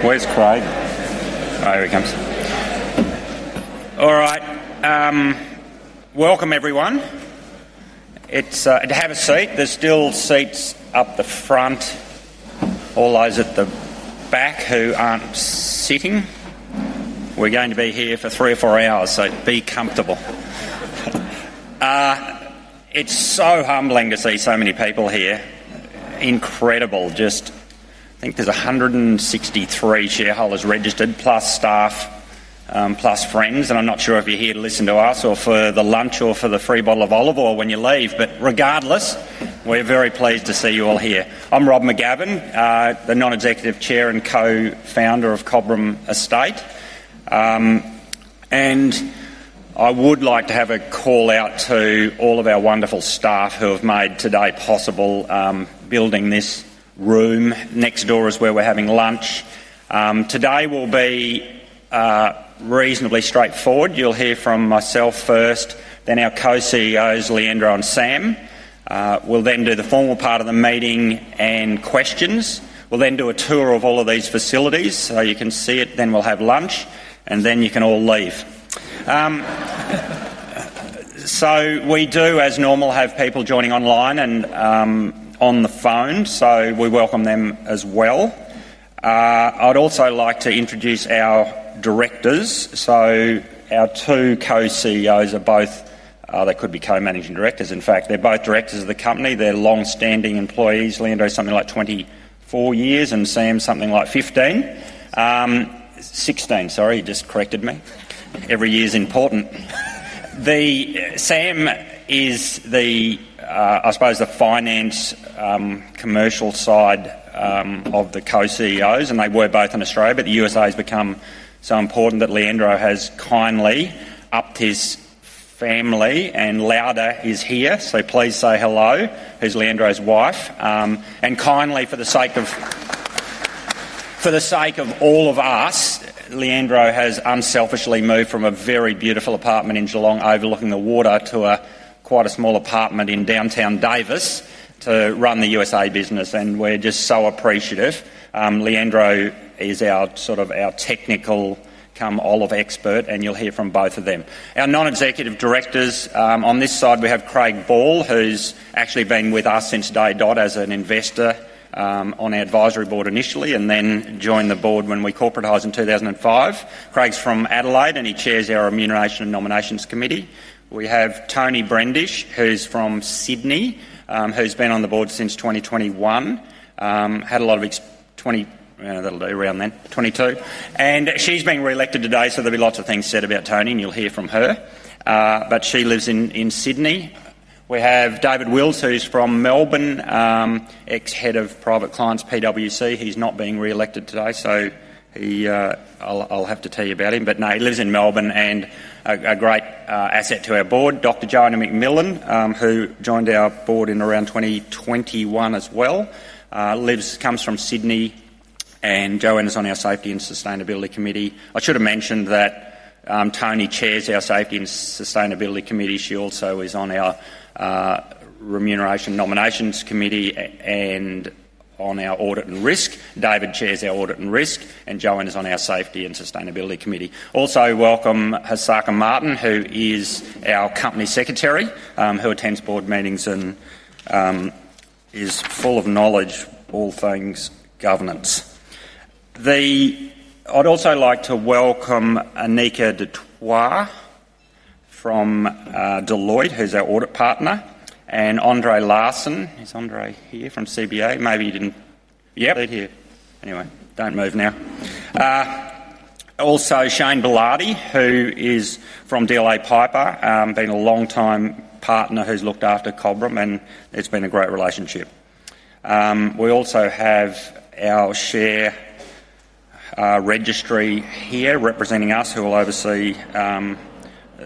Where's Craig? Oh, here he comes. All right. Welcome, everyone. It's a day to have a seat. There are still seats up the front. All those at the back who aren't sitting. We're going to be here for three or four hours, so be comfortable. It's so humbling to see so many people here. Incredible. Just I think there's 163 shareholders registered, plus staff, plus friends. I'm not sure if you're here to listen to us or for the lunch or for the free bottle of olive oil when you leave. Regardless, we're very pleased to see you all here. I'm Rob McGavin, the Non-Executive Chair and co-founder of Cobram Estate Olives Limited. I would like to have a call out to all of our wonderful staff who have made today possible. Building this room. Next door is where we're having lunch. Today will be reasonably straightforward. You'll hear from myself first, then our Co-CEOs, Leandro and Sam. We'll then do the formal part of the meeting and questions. We'll then do a tour of all of these facilities so you can see it. We'll have lunch, and then you can all leave. We do, as normal, have people joining online and on the phone, so we welcome them as well. I'd also like to introduce our directors. Our two Co-CEOs are both—they could be Co-Managing Directors. In fact, they're both directors of the company. They're longstanding employees. Leandro's something like 24 years, and Sam's something like 15. 16, sorry. He just corrected me. Every year's important. Sam is the, I suppose, the finance, commercial side of the Co-CEOs. They were both in Australia, but the U.S. has become so important that Leandro has kindly upped his family and Lauda is here. Please say hello. Who's Leandro's wife? Kindly, for the sake of all of us, Leandro has unselfishly moved from a very beautiful apartment in Geelong overlooking the water to quite a small apartment in downtown Davis to run the U.S. business. We're just so appreciative. Leandro is sort of our technical cum olive expert, and you'll hear from both of them. Our Non-Executive Directors on this side, we have Craig Ball, who's actually been with us since day dot as an investor. On our advisory board initially, and then joined the board when we corporatised in 2005. Craig's from Adelaide, and he chairs our Remuneration and Nominations Committee. We have Toni Brendish, who's from Sydney, who's been on the board since 2021. Had a lot of—2020—around then, 2022. She's being re-elected today, so there'll be lots of things said about Toni, and you'll hear from her. She lives in Sydney. We have David Wills, who's from Melbourne, ex-head of private clients, PwC. He's not being re-elected today, so I'll have to tell you about him. He lives in Melbourne and is a great asset to our board. Dr. Joanna McMillan, who joined our board in around 2021 as well, comes from Sydney, and Joanna is on our Safety and Sustainability Committee. I should have mentioned that Toni chairs our Safety and Sustainability Committee. She also is on our Remuneration and Nominations Committee and on our Audit and Risk. David chairs our Audit and Risk, and Joanna is on our Safety and Sustainability Committee. Also welcome Hasaka Martin, who is our Company Secretary, who attends board meetings and is full of knowledge, all things governance. I'd also like to welcome Anika Dutoit from Deloitte, who's our audit partner, and Andre Larsen. Is Andre here from CBA? Maybe he didn't— Yep. He's here. Anyway, don't move now. Also, Shane Bellardi, who is from DLA Piper, has been a longtime partner who's looked after Cobram Estate, and it's been a great relationship. We also have our share registry here representing us, who will oversee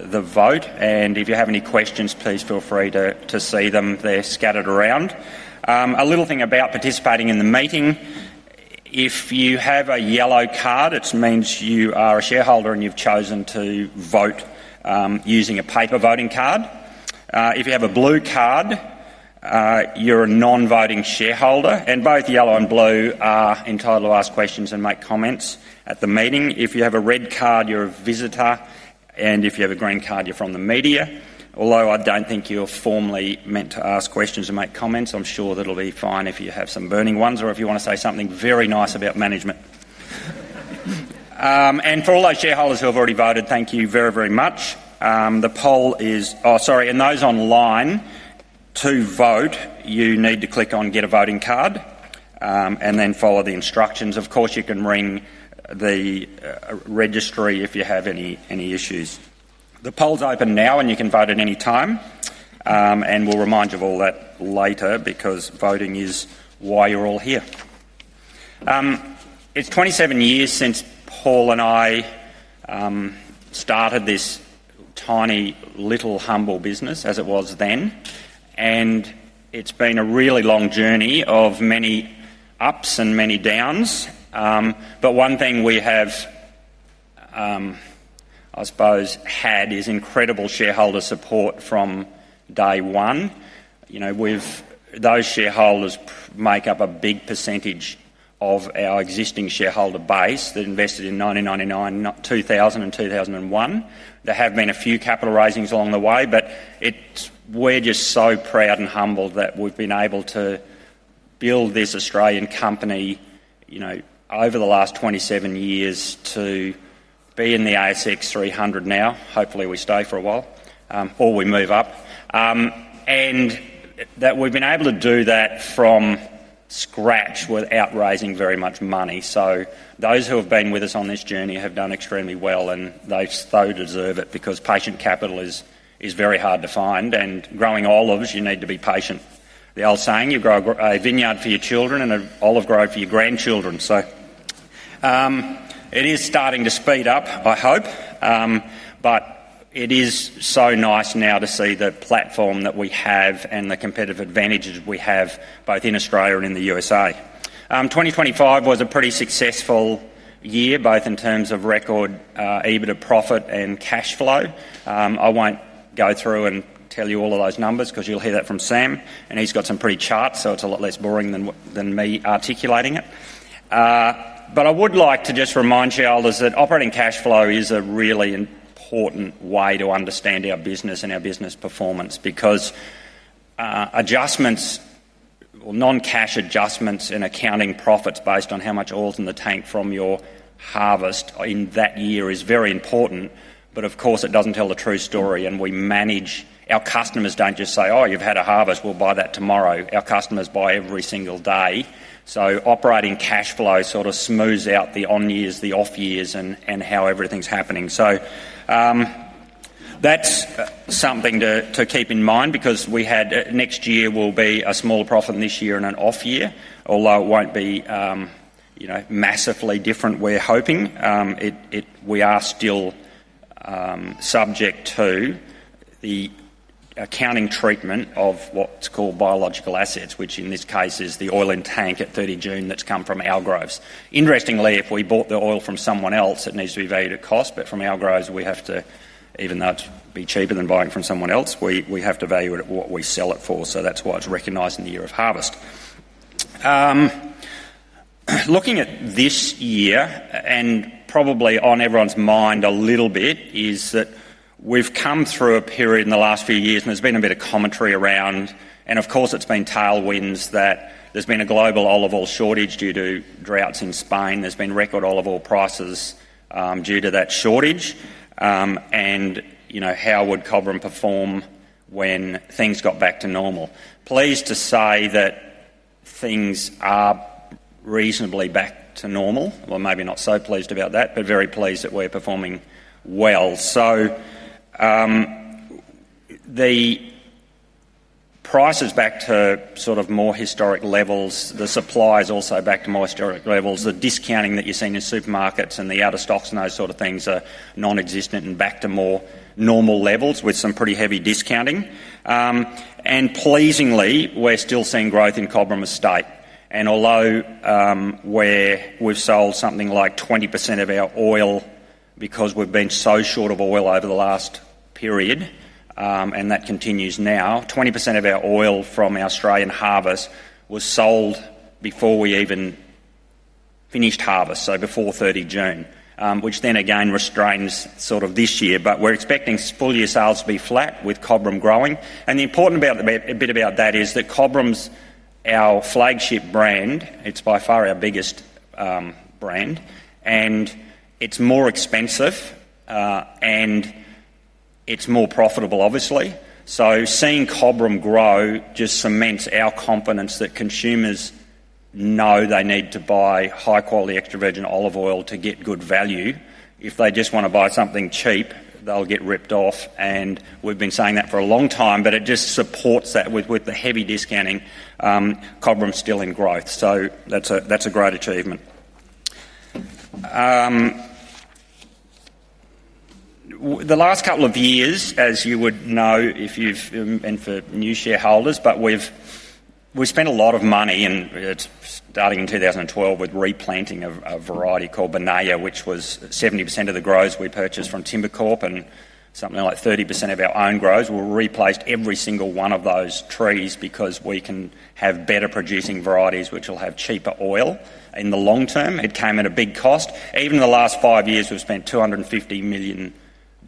the vote. If you have any questions, please feel free to see them. They're scattered around. A little thing about participating in the meeting: if you have a yellow card, it means you are a shareholder and you've chosen to vote using a paper voting card. If you have a blue card, you're a non-voting shareholder, and both yellow and blue are entitled to ask questions and make comments at the meeting. If you have a red card, you're a visitor. If you have a green card, you're from the media. Although I don't think you're formally meant to ask questions or make comments, I'm sure that'll be fine if you have some burning ones or if you want to say something very nice about management. For all our shareholders who have already voted, thank you very, very much. The poll is open now, and you can vote at any time. For those online, to vote, you need to click on "Get a Voting Card" and then follow the instructions. Of course, you can ring the registry if you have any issues. We'll remind you of all that later because voting is why you're all here. It's 27 years since Paul and I started this tiny little humble business, as it was then. It's been a really long journey of many ups and many downs. One thing we have, I suppose, had is incredible shareholder support from day one. Those shareholders make up a big percentage of our existing shareholder base that invested in 1999, 2000, and 2001. There have been a few capital raisings along the way, but we're just so proud and humbled that we've been able to build this Australian company over the last 27 years to be in the ASX 300 now. Hopefully, we stay for a while or we move up. We've been able to do that from scratch without raising very much money. Those who have been with us on this journey have done extremely well, and they so deserve it because patient capital is very hard to find. Growing olives, you need to be patient. The old saying, "You grow a vineyard for your children and an olive grove for your grandchildren." It is starting to speed up, I hope. It is so nice now to see the platform that we have and the competitive advantages we have, both in Australia and in the U.S.. 2025 was a pretty successful year, both in terms of record EBITDA profit and cash flow. I won't go through and tell you all of those numbers because you'll hear that from Sam, and he's got some pretty charts, so it's a lot less boring than me articulating it. I would like to just remind shareholders that operating cash flow is a really important way to understand our business and our business performance because non-cash adjustments in accounting profits based on how much oil's in the tank from your harvest in that year is very important. Of course, it doesn't tell the true story. Our customers don't just say, "Oh, you've had a harvest. We'll buy that tomorrow." Our customers buy every single day. Operating cash flow sort of smooths out the on-years, the off-years, and how everything's happening. That's something to keep in mind because next year will be a smaller profit than this year and an off-year, although it won't be massively different, we're hoping. We are still subject to the accounting treatment of what's called biological assets, which in this case is the oil in tank at 30 June that's come from our groves. Interestingly, if we bought the oil from someone else, it needs to be valued at cost. From our groves, we have to, even though it'd be cheaper than buying from someone else, we have to value it at what we sell it for. That's why it's recognized in the year of harvest. Looking at this year, and probably on everyone's mind a little bit, is that we've come through a period in the last few years, and there's been a bit of commentary around, and of course, it's been tailwinds, that there's been a global olive oil shortage due to droughts in Spain. There's been record olive oil prices due to that shortage. How would Cobram Estate Olives perform when things got back to normal? Pleased to say that things are reasonably back to normal. We're maybe not so pleased about that, but very pleased that we're performing well. The price is back to sort of more historic levels. The supply is also back to more historic levels. The discounting that you're seeing in supermarkets and the out-of-stocks and those sort of things are non-existent and back to more normal levels with some pretty heavy discounting. Pleasingly, we're still seeing growth in Cobram Estate. Although we've sold something like 20% of our oil because we've been so short of oil over the last period. That continues now. 20% of our oil from our Australian harvest was sold before we even finished harvest, so before 30 June, which then again restrains sort of this year. We're expecting full-year sales to be flat with Cobram growing. The important bit about that is that Cobram's our flagship brand. It's by far our biggest brand, and it's more expensive. It's more profitable, obviously. Seeing Cobram grow just cements our confidence that consumers know they need to buy high-quality extra virgin olive oil to get good value. If they just want to buy something cheap, they'll get ripped off. We've been saying that for a long time, but it just supports that with the heavy discounting. Cobram's still in growth. That's a great achievement. The last couple of years, as you would know if you've been for new shareholders, we've spent a lot of money, and it started in 2012 with replanting a variety called Binaya, which was 70% of the groves we purchased from Timber Corp and something like 30% of our own groves. We replaced every single one of those trees because we can have better-producing varieties which will have cheaper oil in the long term. It came at a big cost. Even in the last five years, we've spent 250 million dollars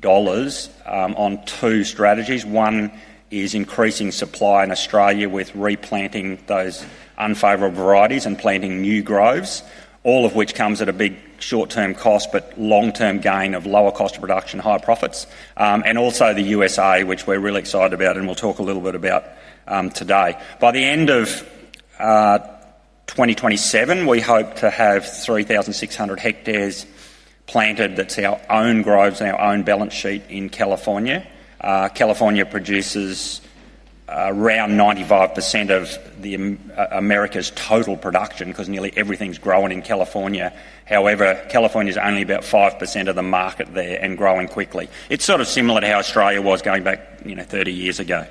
on two strategies. One is increasing supply in Australia with replanting those unfavorable varieties and planting new groves, all of which comes at a big short-term cost but long-term gain of lower cost of production and higher profits. Also, the U.S., which we're really excited about and we'll talk a little bit about today. By the end of 2027, we hope to have 3,600 hectares planted. That's our own groves and our own balance sheet in California. California produces around 95% of America's total production because nearly everything's growing in California. However, California's only about 5% of the market there and growing quickly. It's sort of similar to how Australia was going back 30 years ago.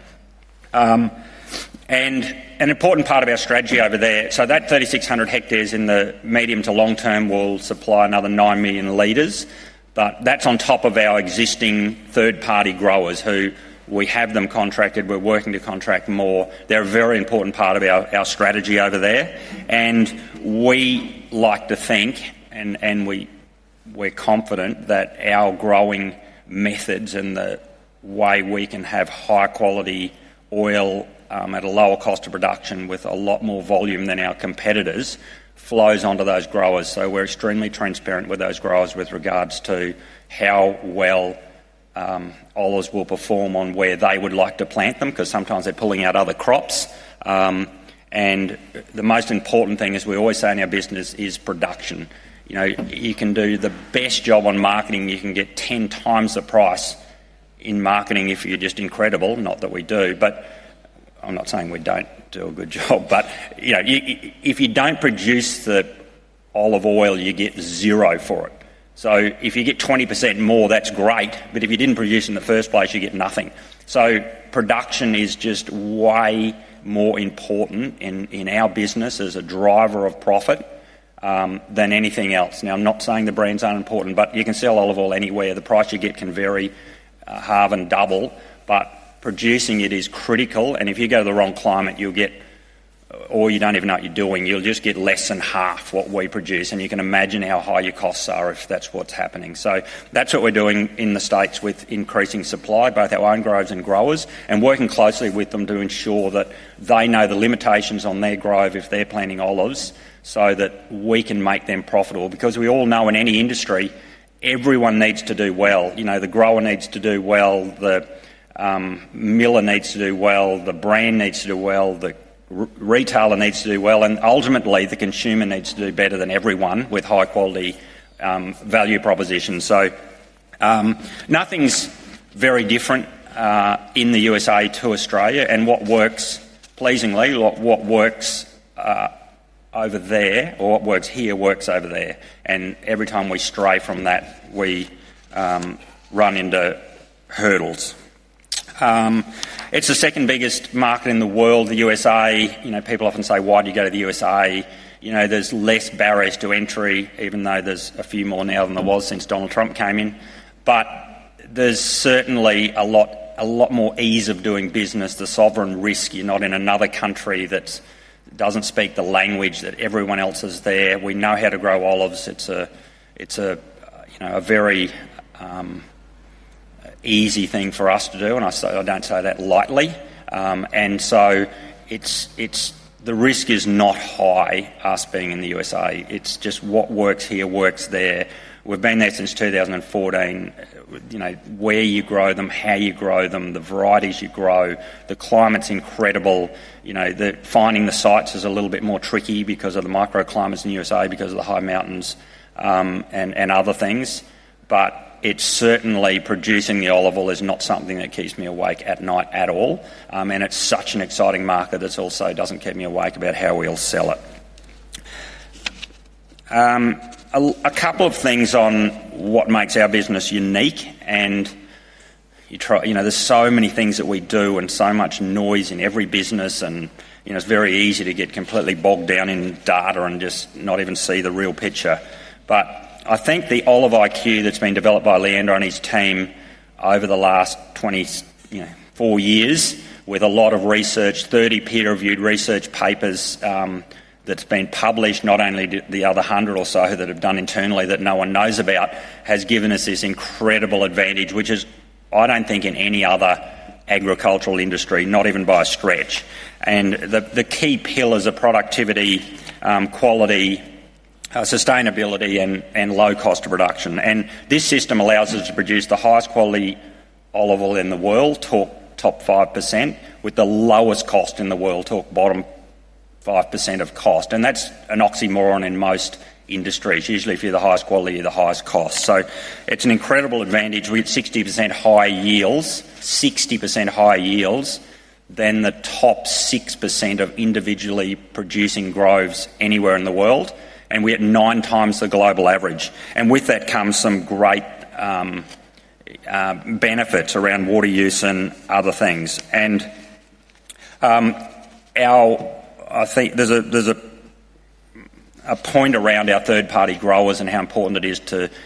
An important part of our strategy over there is that 3,600 hectares in the medium to long term will supply another 9 million liters. That's on top of our existing third-party growers who we have contracted. We're working to contract more. They're a very important part of our strategy over there. We like to think, and we're confident, that our growing methods and the way we can have high-quality oil at a lower cost of production with a lot more volume than our competitors flows onto those growers. We're extremely transparent with those growers with regards to how well olives will perform on where they would like to plant them because sometimes they're pulling out other crops. The most important thing, as we always say in our business, is production. You can do the best job on marketing. You can get 10 times the price in marketing if you're just incredible. Not that we do, but I'm not saying we don't do a good job. If you don't produce the olive oil, you get zero for it. If you get 20% more, that's great. If you didn't produce in the first place, you get nothing. Production is just way more important in our business as a driver of profit than anything else. I'm not saying the brands aren't important, but you can sell olive oil anywhere. The price you get can vary half and double, but producing it is critical. If you go to the wrong climate, or you don't even know what you're doing, you'll just get less than half what we produce. You can imagine how high your costs are if that's what's happening. That's what we're doing in the States with increasing supply, both our own growers and growers, and working closely with them to ensure that they know the limitations on their grow if they're planting olives so that we can make them profitable. We all know in any industry, everyone needs to do well. The grower needs to do well. The miller needs to do well. The brand needs to do well. The retailer needs to do well. Ultimately, the consumer needs to do better than everyone with high-quality value proposition. Nothing's very different in the U.S. to Australia. What works pleasingly, what works over there or what works here works over there. Every time we stray from that, we run into hurdles. It's the second biggest market in the world, the U.S.. People often say, "Why do you go to the U.S.?" There's less barriers to entry, even though there's a few more now than there was since Donald Trump came in. There's certainly a lot more ease of doing business, the sovereign risk. You're not in another country that doesn't speak the language that everyone else is there. We know how to grow olives. It's a very easy thing for us to do. I don't say that lightly. The risk is not high us being in the U.S.. It's just what works here works there. We've been there since 2014. Where you grow them, how you grow them, the varieties you grow, the climate's incredible. Finding the sites is a little bit more tricky because of the microclimates in the U.S. because of the high mountains and other things. It is certainly producing the olive oil is not something that keeps me awake at night at all. It is such an exciting market that also doesn't keep me awake about how we'll sell it. A couple of things on what makes our business unique. There are so many things that we do and so much noise in every business. It is very easy to get completely bogged down in data and just not even see the real picture. I think the Olive IQ that's been developed by Leandro and his team over the last 24 years with a lot of research, 30 peer-reviewed research papers that's been published, not only the other 100 or so that have been done internally that no one knows about, has given us this incredible advantage, which I don't think in any other agricultural industry, not even by a stretch. The key pillars are productivity, quality, sustainability, and low-cost production. This system allows us to produce the highest quality olive oil in the world, top 5%, with the lowest cost in the world, bottom 5% of cost. That is an oxymoron in most industries. Usually, if you're the highest quality, you're the highest cost. It is an incredible advantage. We have 60% higher yields, 60% higher yields than the top 6% of individually producing groves anywhere in the world, and we have nine times the global average. With that comes some great benefits around water use and other things. I think there's a point around our third-party growers and how important it is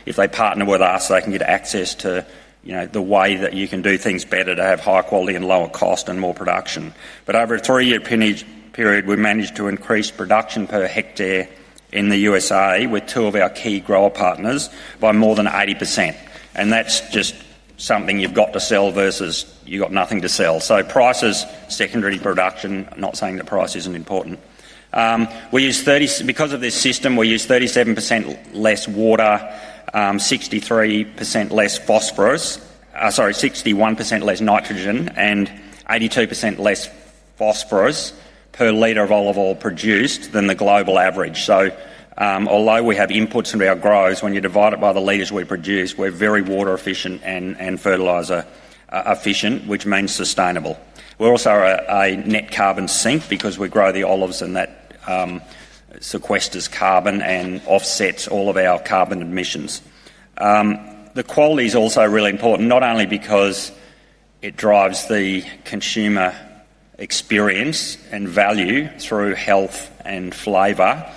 if they partner with us, they can get access to the way that you can do things better to have higher quality and lower cost and more production. Over a three-year period, we managed to increase production per hectare in the U.S. with two of our key grower partners by more than 80%. That is just something you've got to sell versus you've got nothing to sell. Prices, secondary production, I'm not saying that price isn't important. Because of this system, we use 37% less water, 61% less nitrogen, and 82% less phosphorus per liter of olive oil produced than the global average. Although we have inputs into our groves, when you divide it by the liters we produce, we're very water efficient and fertilizer efficient, which means sustainable. We're also a net carbon sink because we grow the olives, and that. Sequesters carbon and offsets all of our carbon emissions. The quality is also really important, not only because it drives the consumer experience and value through health and flavor,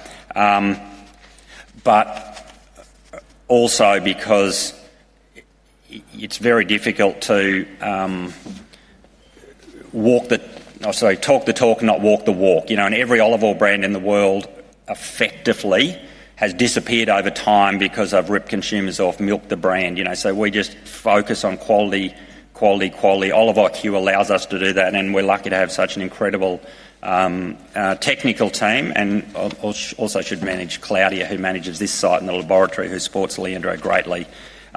but also because it's very difficult to talk the talk and not walk the walk. Every olive oil brand in the world effectively has disappeared over time because they ripped consumers off, milked the brand. We just focus on quality, quality, quality. Olive IQ allows us to do that. We're lucky to have such an incredible technical team. I also should mention Claudia, who manages this site and the laboratory, who supports Leandro greatly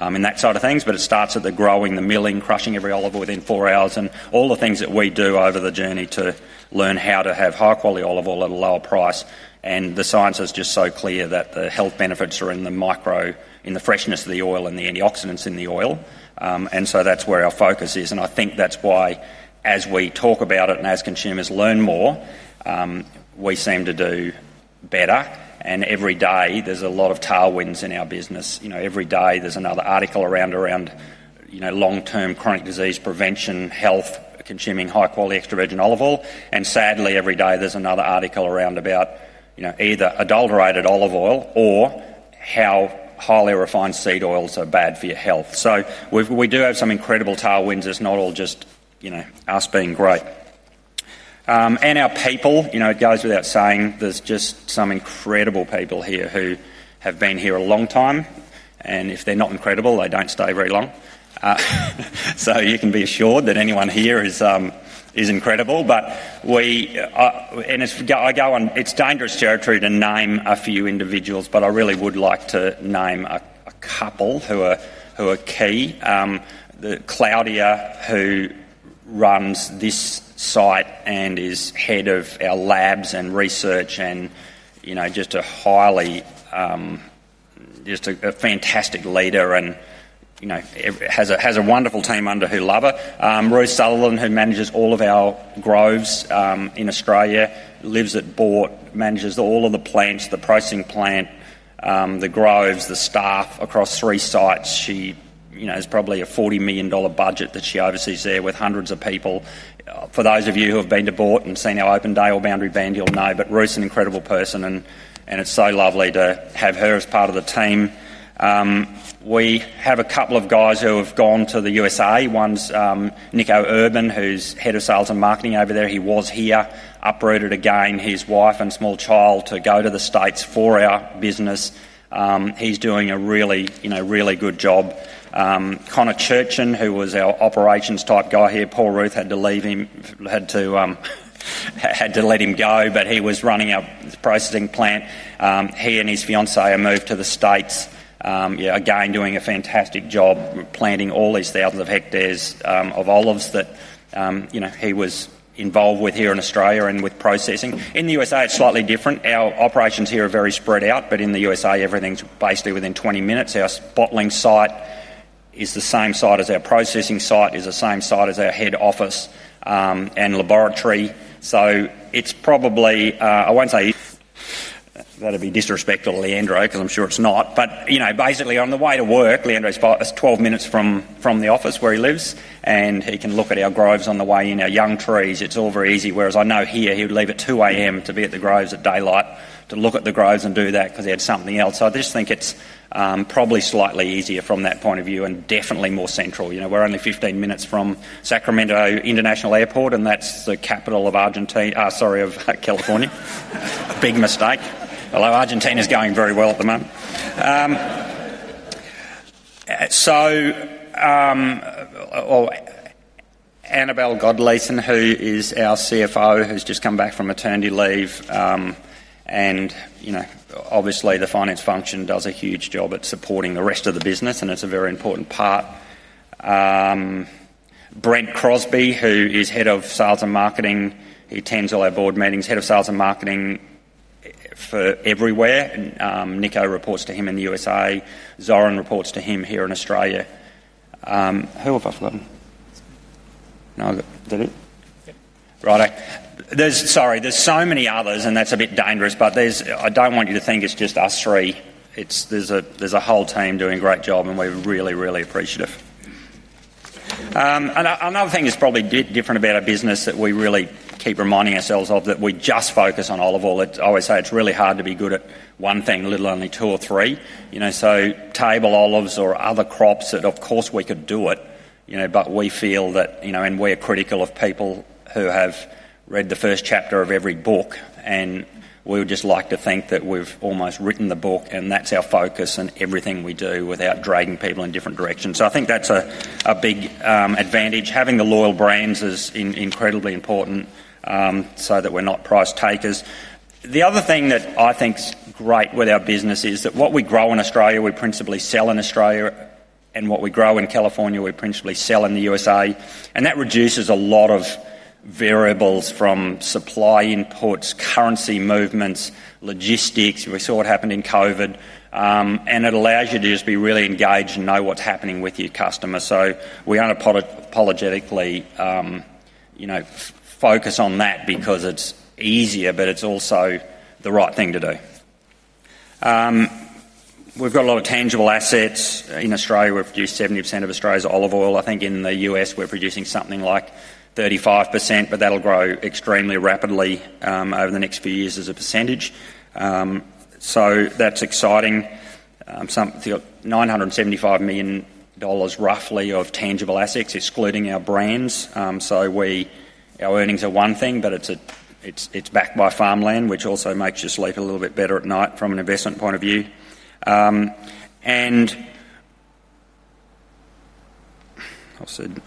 in that side of things. It starts at the growing, the milling, crushing every olive oil within four hours, and all the things that we do over the journey to learn how to have high-quality olive oil at a lower price. The science is just so clear that the health benefits are in the micro, in the freshness of the oil and the antioxidants in the oil. That's where our focus is. I think that's why, as we talk about it and as consumers learn more, we seem to do better. Every day, there's a lot of tailwinds in our business. Every day, there's another article around long-term chronic disease prevention, health, consuming high-quality extra virgin olive oil. Sadly, every day, there's another article around about either adulterated olive oil or how highly refined seed oils are bad for your health. We do have some incredible tailwinds. It's not all just us being great. Our people, it goes without saying, there's just some incredible people here who have been here a long time. If they're not incredible, they don't stay very long. You can be assured that anyone here is incredible. I go on, it's dangerous territory to name a few individuals, but I really would like to name a couple who are key. Claudia, who runs this site and is Head of our Labs and Research and just a highly, just a fantastic leader and has a wonderful team under her who love her. Ruth Sutherland, who manages all of our groves in Australia, lives at Boort, manages all of the plants, the processing plant, the groves, the staff across three sites. She has probably a 40 million dollar budget that she oversees there with hundreds of people. For those of you who have been to Boort and seen our open day or Boundary Bend, you'll know. Ruth's an incredible person, and it's so lovely to have her as part of the team. We have a couple of guys who have gone to the U.S.. One's Nico Urbin, who's Head of Sales and Marketing over there. He was here, uprooted again, his wife and small child to go to the States for our business. He's doing a really, really good job. Connor Churchen, who was our operations type guy here, Paul Ruth had to leave him, had to let him go, but he was running a processing plant. He and his fiancée have moved to the States, again doing a fantastic job planting all these thousands of hectares of olives that he was involved with here in Australia and with processing. In the U.S., it's slightly different. Our operations here are very spread out, but in the U.S., everything's basically within 20 minutes. Our Spotling site is the same site as our processing site, is the same site as our head office and laboratory. It's probably—I won't say. That'd be disrespectful to Leandro because I'm sure it's not. Basically, on the way to work, Leandro's 12 minutes from the office where he lives, and he can look at our groves on the way in, our young trees. It's all very easy. I know here, he would leave at 2:00 A.M. to be at the groves at daylight to look at the groves and do that because he had something else. I just think it's probably slightly easier from that point of view and definitely more central. We're only 15 minutes from Sacramento International Airport, and that's the capital of California. Big mistake. Although Argentina's going very well at the moment. Anabel Godino, who is our CFO, has just come back from maternity leave. Obviously, the finance function does a huge job at supporting the rest of the business, and it's a very important part. Brent Crosby, who is Head of Sales and Marketing, attends all our board meetings, Head of Sales and Marketing everywhere. Nico reports to him in the U.S.. Zoran reports to him here in Australia. Who have I forgotten? No, I didn't. Right. Sorry. There's so many others, and that's a bit dangerous. I don't want you to think it's just us three. There's a whole team doing a great job, and we're really, really appreciative. Another thing that's probably different about our business that we really keep reminding ourselves of is that we just focus on olive oil. I always say it's really hard to be good at one thing, let alone two or three. Table olives or other crops that, of course, we could do it, but we feel that—we're critical of people who have read the first chapter of every book—and we would just like to think that we've almost written the book, and that's our focus and everything we do without dragging people in different directions. I think that's a big advantage. Having the loyal brands is incredibly important so that we're not price takers. The other thing that I think's great with our business is that what we grow in Australia, we principally sell in Australia, and what we grow in California, we principally sell in the U.S.. That reduces a lot of variables from supply inputs, currency movements, logistics. We saw what happened in COVID, and it allows you to just be really engaged and know what's happening with your customer. We unapologetically focus on that because it's easier, but it's also the right thing to do. We've got a lot of tangible assets in Australia. We've produced 70% of Australia's olive oil. I think in the U.S., we're producing something like 35%, but that'll grow extremely rapidly over the next few years as a percentage. That's exciting. 975 million dollars roughly of tangible assets, excluding our brands. Our earnings are one thing, but it's backed by farmland, which also makes you sleep a little bit better at night from an investment point of view. I've said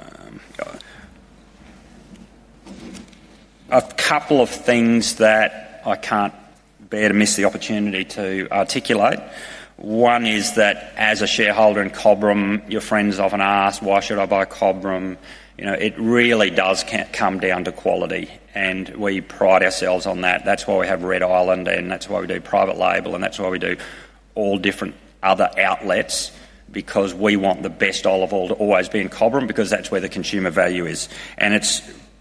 a couple of things that I can't bear to miss the opportunity to articulate. One is that as a shareholder in Cobram, your friends often ask, "Why should I buy Cobram?" It really does come down to quality, and we pride ourselves on that. That's why we have Red Island, and that's why we do private label, and that's why we do all different other outlets because we want the best olive oil to always be in Cobram because that's where the consumer value is.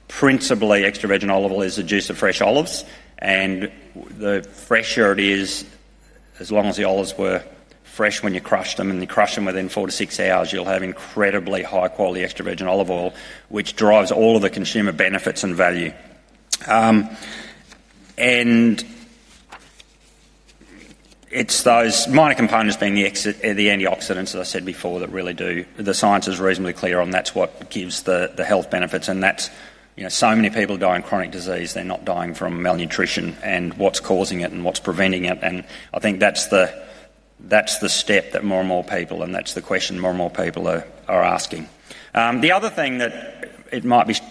Principally, extra virgin olive oil is the juice of fresh olives. The fresher it is, as long as the olives were fresh when you crushed them, and you crush them within four to six hours, you'll have incredibly high-quality extra virgin olive oil, which drives all of the consumer benefits and value. It's those minor components being the antioxidants, as I said before, that really do—the science is reasonably clear on that's what gives the health benefits. So many people die in chronic disease. They're not dying from malnutrition and what's causing it and what's preventing it. I think that's. The step that more and more people—and that's the question more and more people are asking. The other thing that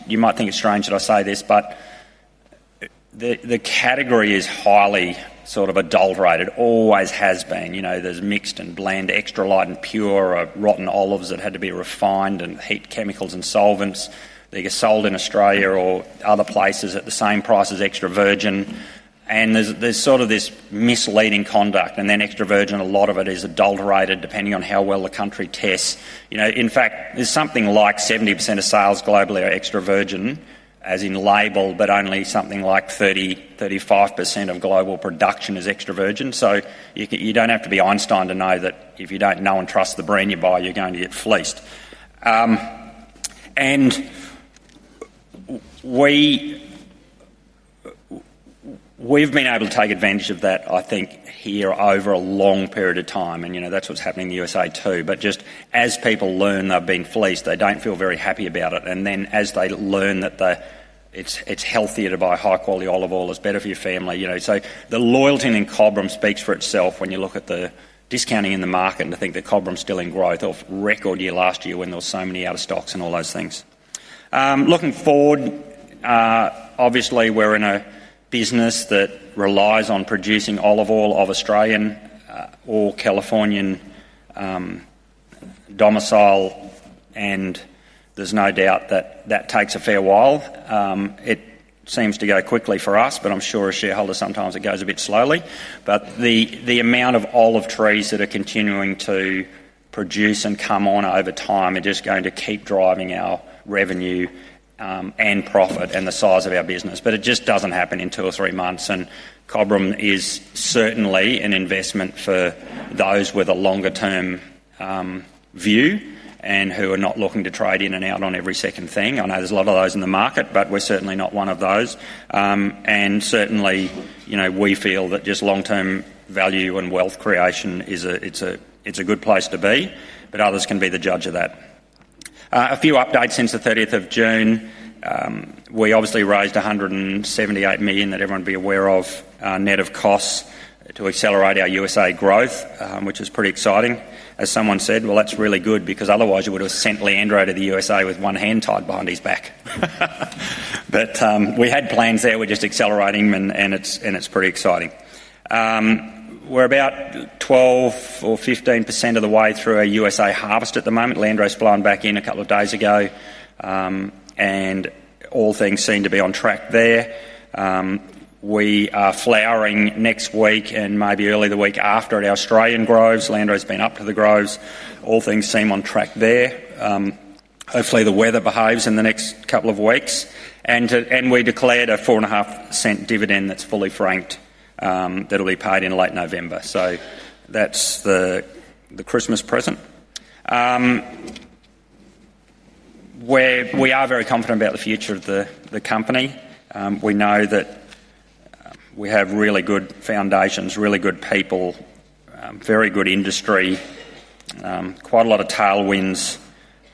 you might think it's strange that I say this, but the category is highly sort of adulterated. Always has been. There's mixed and blend, extra light and pure, or rotten olives that had to be refined and heat chemicals and solvents. They get sold in Australia or other places at the same price as extra virgin, and there's sort of this misleading conduct. Then extra virgin, a lot of it is adulterated depending on how well the country tests. In fact, there's something like 70% of sales globally are extra virgin, as in label, but only something like 30%-35% of global production is extra virgin. You don't have to be Einstein to know that if you don't know and trust the brand you buy, you're going to get fleeced. We've been able to take advantage of that, I think, here over a long period of time. That's what's happening in the U.S. too. Just as people learn they've been fleeced, they don't feel very happy about it. As they learn that it's healthier to buy high-quality olive oil, it's better for your family. The loyalty in Cobram speaks for itself when you look at the discounting in the market and to think that Cobram's still in growth of record year last year when there were so many out of stocks and all those things. Looking forward, obviously, we're in a business that relies on producing olive oil of Australian or Californian domicile, and there's no doubt that that takes a fair while. It seems to go quickly for us, but I'm sure as shareholders, sometimes it goes a bit slowly. The amount of olive trees that are continuing to produce and come on over time are just going to keep driving our revenue and profit and the size of our business. It just doesn't happen in two or three months. Cobram is certainly an investment for those with a longer-term view and who are not looking to trade in and out on every second thing. I know there's a lot of those in the market, but we're certainly not one of those. We feel that just long-term value and wealth creation, it's a good place to be, but others can be the judge of that. A few updates since the 30th of June. We obviously raised 178 million that everyone be aware of net of costs to accelerate our U.S. growth, which is pretty exciting. As someone said, "Well, that's really good because otherwise you would have sent Leandro to the U.S. with one hand tied behind his back." We had plans there. We're just accelerating them, and it's pretty exciting. We're about 12% or 15% of the way through our U.S. harvest at the moment. Leandro's flying back in a couple of days ago, and all things seem to be on track there. We are flowering next week and maybe early the week after at our Australian groves. Leandro's been up to the groves. All things seem on track there. Hopefully, the weather behaves in the next couple of weeks. We declared a 4.5% dividend that's fully franked that'll be paid in late November. That's the Christmas present. We are very confident about the future of the company. We know that we have really good foundations, really good people, very good industry, quite a lot of tailwinds,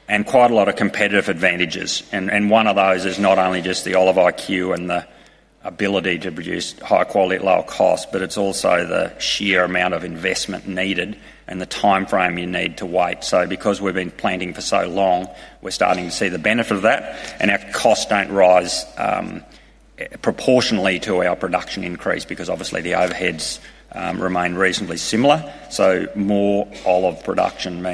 and quite a lot of competitive advantages. One of those is not only just the Olive IQ and the ability to produce high quality, low cost, but it's also the sheer amount of investment needed and the timeframe you need to wait. Because we've been planting for so long, we're starting to see the benefit of that, and our costs don't rise proportionally to our production increase because obviously the overheads remain reasonably similar. More olive production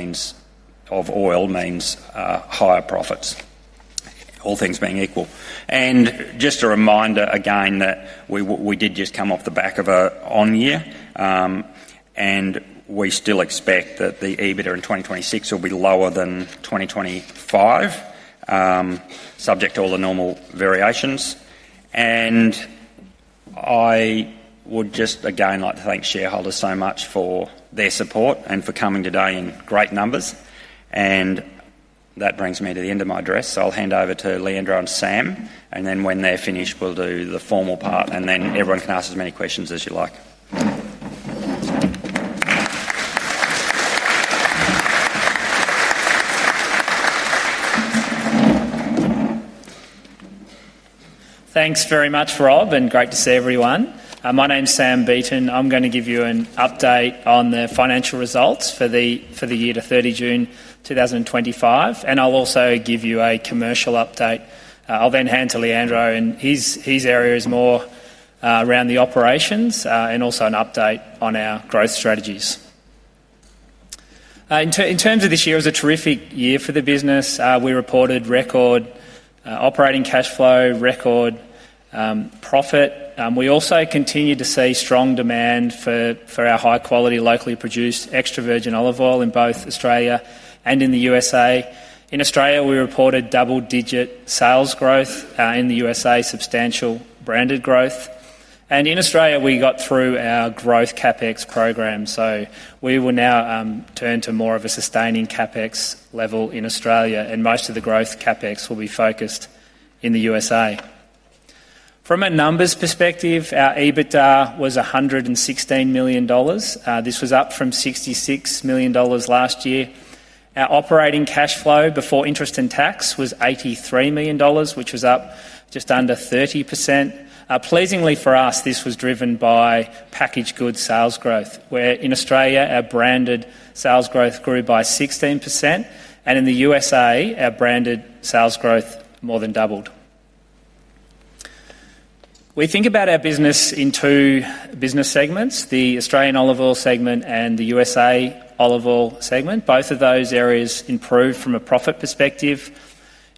of oil means higher profits, all things being equal. Just a reminder again that we did just come off the back of an on-year, and we still expect that the EBITDA in 2026 will be lower than 2025, subject to all the normal variations. I would just again like to thank shareholders so much for their support and for coming today in great numbers. That brings me to the end of my address. I'll hand over to Leandro and Sam. When they're finished, we'll do the formal part, and then everyone can ask as many questions as you like. Thanks very much, Rob, and great to see everyone. My name's Sam Beaton. I'm going to give you an update on the financial results for the year to 30 June 2025, and I'll also give you a commercial update. I'll then hand to Leandro, and his area is more around the operations and also an update on our growth strategies. In terms of this year, it was a terrific year for the business. We reported record operating cash flow, record profit. We also continued to see strong demand for our high-quality locally produced extra virgin olive oil in both Australia and in the U.S.. In Australia, we reported double-digit sales growth. In the U.S., substantial branded growth. In Australia, we got through our growth CapEx program. We will now turn to more of a sustaining CapEx level in Australia, and most of the growth CapEx will be focused in the U.S.. From a numbers perspective, our EBITDA was 116 million dollars. This was up from 66 million dollars last year. Our operating cash flow before interest and tax was 83 million dollars, which was up just under 30%. Pleasingly for us, this was driven by packaged goods sales growth, where in Australia, our branded sales growth grew by 16%. In the U.S., our branded sales growth more than doubled. We think about our business in two business segments, the Australian olive oil segment and the U.S. olive oil segment. Both of those areas improved from a profit perspective.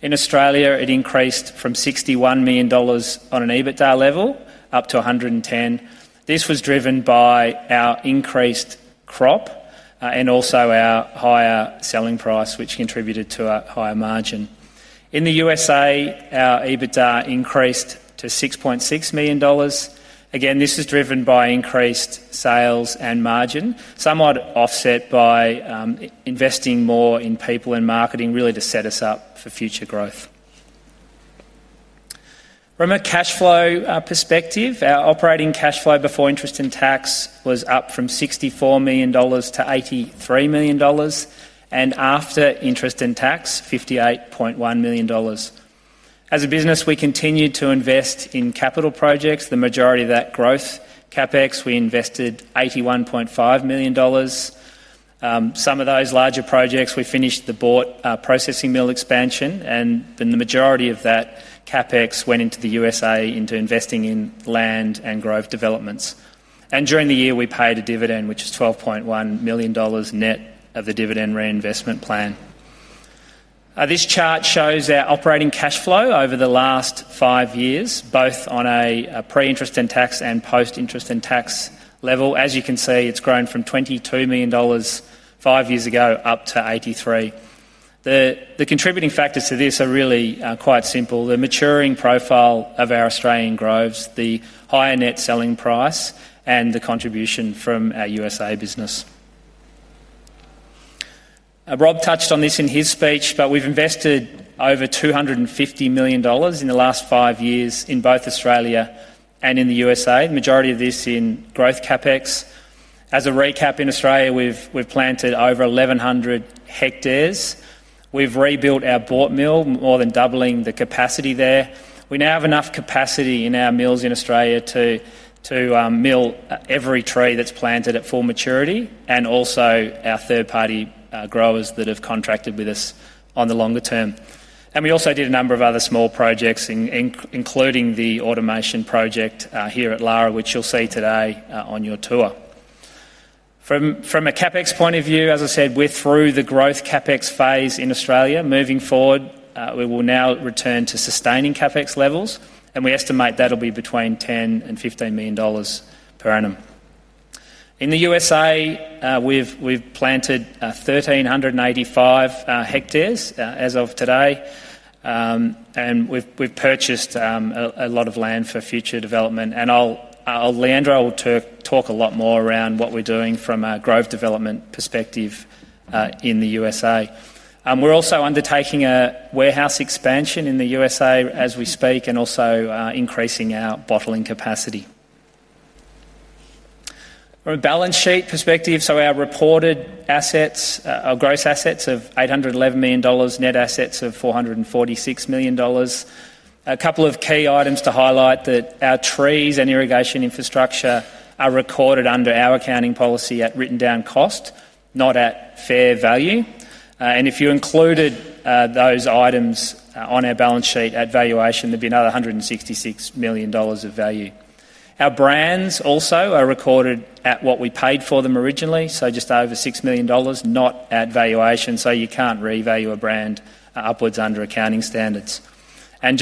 In Australia, it increased from AUD 61 million on an EBITDA level up to 110 million. This was driven by our increased crop and also our higher selling price, which contributed to a higher margin. In the U.S., our EBITDA increased to 6.6 million dollars. This was driven by increased sales and margin, somewhat offset by investing more in people and marketing, really to set us up for future growth. From a cash flow perspective, our operating cash flow before interest and tax was up from 64 million dollars to 83 million dollars. After interest and tax, 58.1 million dollars. As a business, we continued to invest in capital projects. The majority of that growth CapEx, we invested 81.5 million dollars. Some of those larger projects, we finished the Boort processing mill expansion, and the majority of that CapEx went into the U.S. into investing in land and grove developments. During the year, we paid a dividend, which is 12.1 million dollars net of the dividend reinvestment plan. This chart shows our operating cash flow over the last five years, both on a pre-interest and tax and post-interest and tax level. As you can see, it's grown from 22 million dollars five years ago up to 83 million. The contributing factors to this are really quite simple. The maturing profile of our Australian groves, the higher net selling price, and the contribution from our U.S. business. Rob touched on this in his speech, but we've invested over 250 million dollars in the last five years in both Australia and in the U.S., the majority of this in growth CapEx. As a recap, in Australia, we've planted over 1,100 hectares. We've rebuilt our Boort mill, more than doubling the capacity there. We now have enough capacity in our mills in Australia to mill every tree that's planted at full maturity and also our third-party growers that have contracted with us on the longer term. We also did a number of other small projects, including the automation project here at Lara, which you'll see today on your tour. From a CapEx point of view, as I said, we're through the growth CapEx phase in Australia. Moving forward, we will now return to sustaining CapEx levels, and we estimate that'll be between 10 million and 15 million dollars per annum. In the U.S., we've planted 1,385 hectares as of today, and we've purchased a lot of land for future development. Leandro will talk a lot more around what we're doing from a grove development perspective in the U.S.. We're also undertaking a warehouse expansion in the U.S. as we speak and also increasing our bottling capacity. From a balance sheet perspective, our reported assets are gross assets of 811 million dollars, net assets of 446 million dollars. A couple of key items to highlight are that our trees and irrigation infrastructure are recorded under our accounting policy at written down cost, not at fair value. If you included those items on our balance sheet at valuation, there'd be another 166 million dollars of value. Our brands also are recorded at what we paid for them originally, so just over 6 million dollars, not at valuation. You can't revalue a brand upwards under accounting standards. In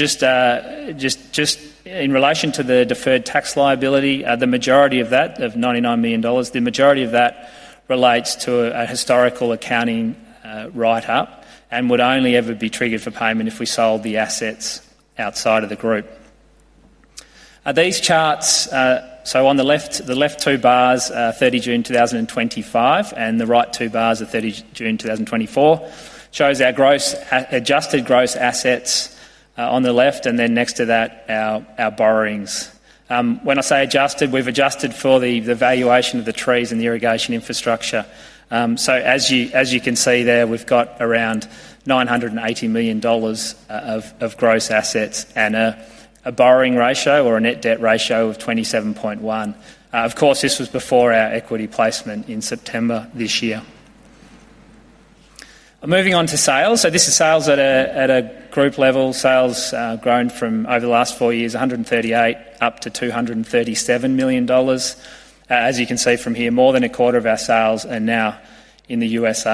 relation to the deferred tax liability, the majority of that, of 99 million dollars, relates to a historical accounting write-up and would only ever be triggered for payment if we sold the assets outside of the group. These charts, on the left, the left two bars, 30 June 2025, and the right two bars, 30 June 2024, show our adjusted gross assets on the left, and then next to that, our borrowings. When I say adjusted, we've adjusted for the valuation of the trees and the irrigation infrastructure. As you can see there, we've got around 980 million dollars of gross assets and a borrowing ratio or a net debt ratio of 27.1%. This was before our equity placement in September this year. Moving on to sales, this is sales at a group level. Sales have grown from over the last four years, 138 million up to AUD 237 million. As you can see from here, more than a quarter of our sales are now in the U.S..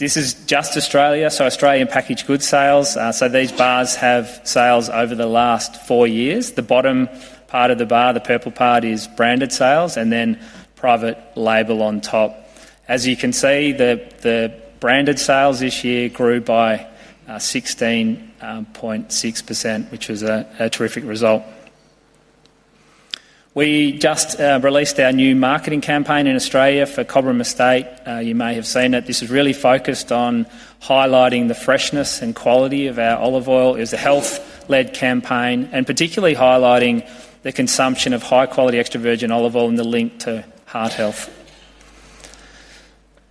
This is just Australia, so Australian packaged goods sales. These bars have sales over the last four years. The bottom part of the bar, the purple part, is branded sales, and then private label on top. As you can see, the branded sales this year grew by 16.6%, which was a terrific result. We just released our new marketing campaign in Australia for Cobram Estate. You may have seen it. This is really focused on highlighting the freshness and quality of our olive oil. It was a health-led campaign and particularly highlighting the consumption of high-quality extra virgin olive oil and the link to heart health.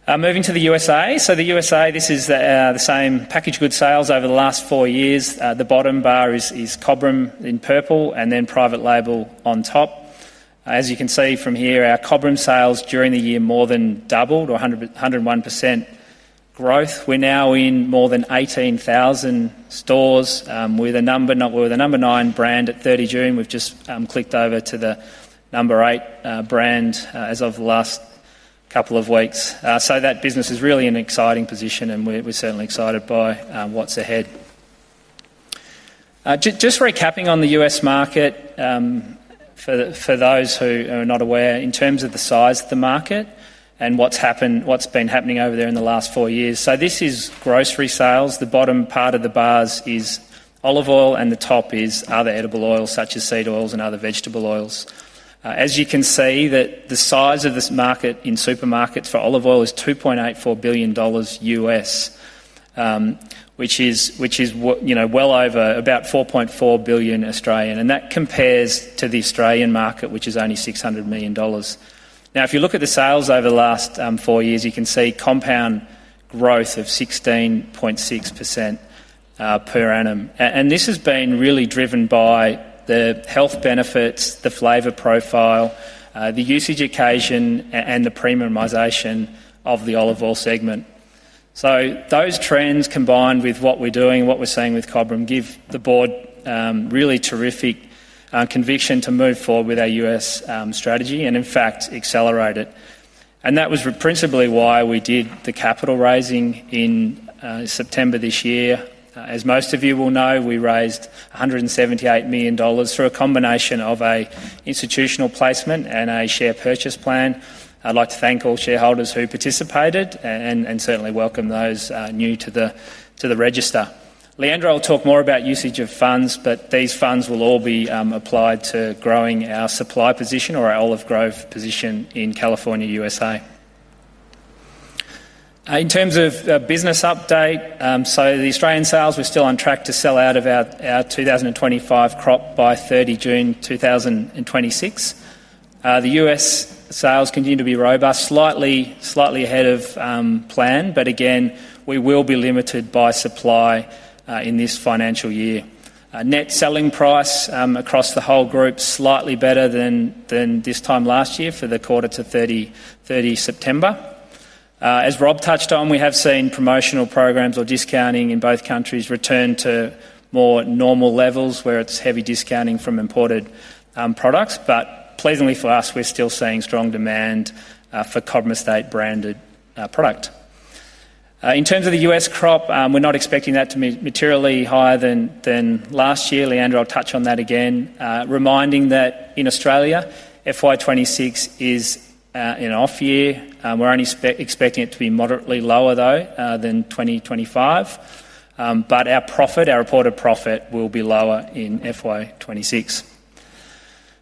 Moving to the U.S., this is the same packaged goods sales over the last four years. The bottom bar is Cobram in purple and then private label on top. As you can see from here, our Cobram sales during the year more than doubled, 101% growth. We're now in more than 18,000 stores. We're the number nine brand at 30 June. We've just clicked over to the number eight brand as of the last couple of weeks. That business is really in an exciting position, and we're certainly excited by what's ahead. Just recapping on the U.S. market. For those who are not aware, in terms of the size of the market and what's been happening over there in the last four years, this is grocery sales. The bottom part of the bars is olive oil, and the top is other edible oils such as seed oils and other vegetable oils. As you can see, the size of this market in supermarkets for olive oil is 2.84 billion dollars U.S., which is well over about 4.4 billion Australian dollars Australian. That compares to the Australian market, which is only 600 million dollars. Now, if you look at the sales over the last four years, you can see compound growth of 16.6% per annum. This has been really driven by the health benefits, the flavor profile, the U.S.ge occasion, and the premiumisation of the olive oil segment. Those trends combined with what we're doing and what we're seeing with Cobram give the board really terrific conviction to move forward with our U.S. strategy and, in fact, accelerate it. That was principally why we did the capital raising in September this year. As most of you will know, we raised 178 million dollars through a combination of an institutional placement and a share purchase plan. I'd like to thank all shareholders who participated and certainly welcome those new to the register. Leandro will talk more about usage of funds, but these funds will all be applied to growing our supply position or our olive grove position in California, U.S.. In terms of business update, the Australian sales, we're still on track to sell out of our 2025 crop by June 30, 2026. The U.S. sales continue to be robust, slightly ahead of plan, but again, we will be limited by supply in this financial year. Net selling price across the whole group is slightly better than this time last year for the quarter to September 30. As Rob touched on, we have seen promotional programs or discounting in both countries return to more normal levels where it's heavy discounting from imported products. Pleasantly for us, we're still seeing strong demand for Cobram Estate branded product. In terms of the U.S. crop, we're not expecting that to be materially higher than last year. Leandro will touch on that again, reminding that in Australia, FY 2026 is an off year. We're only expecting it to be moderately lower, though, than 2025. Our reported profit will be lower in FY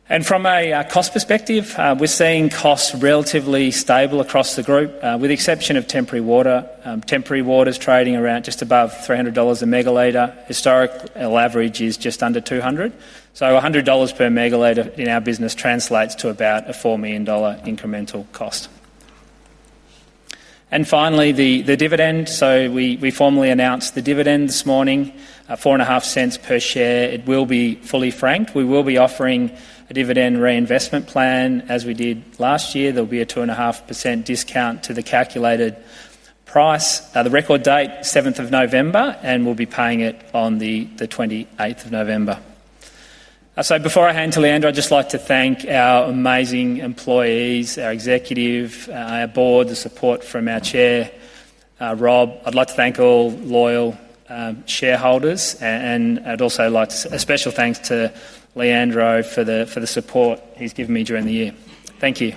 2026. From a cost perspective, we're seeing costs relatively stable across the group, with the exception of temporary water. Temporary water is trading around just above 300 dollars a megaliter. Historical average is just under 200. 100 dollars per megaliter in our business translates to about a 4 million dollar incremental cost. Finally, the dividend. We formally announced the dividend this morning, 0.045 per share. It will be fully franked. We will be offering a dividend reinvestment plan as we did last year. There will be a 2.5% discount to the calculated price. The record date is November 7, and we'll be paying it on November 28. Before I hand to Leandro, I'd just like to thank our amazing employees, our executive, our board, the support from our Chair, Rob. I'd like to thank all loyal shareholders. I'd also like a special thanks to Leandro for the support he's given me during the year. Thank you.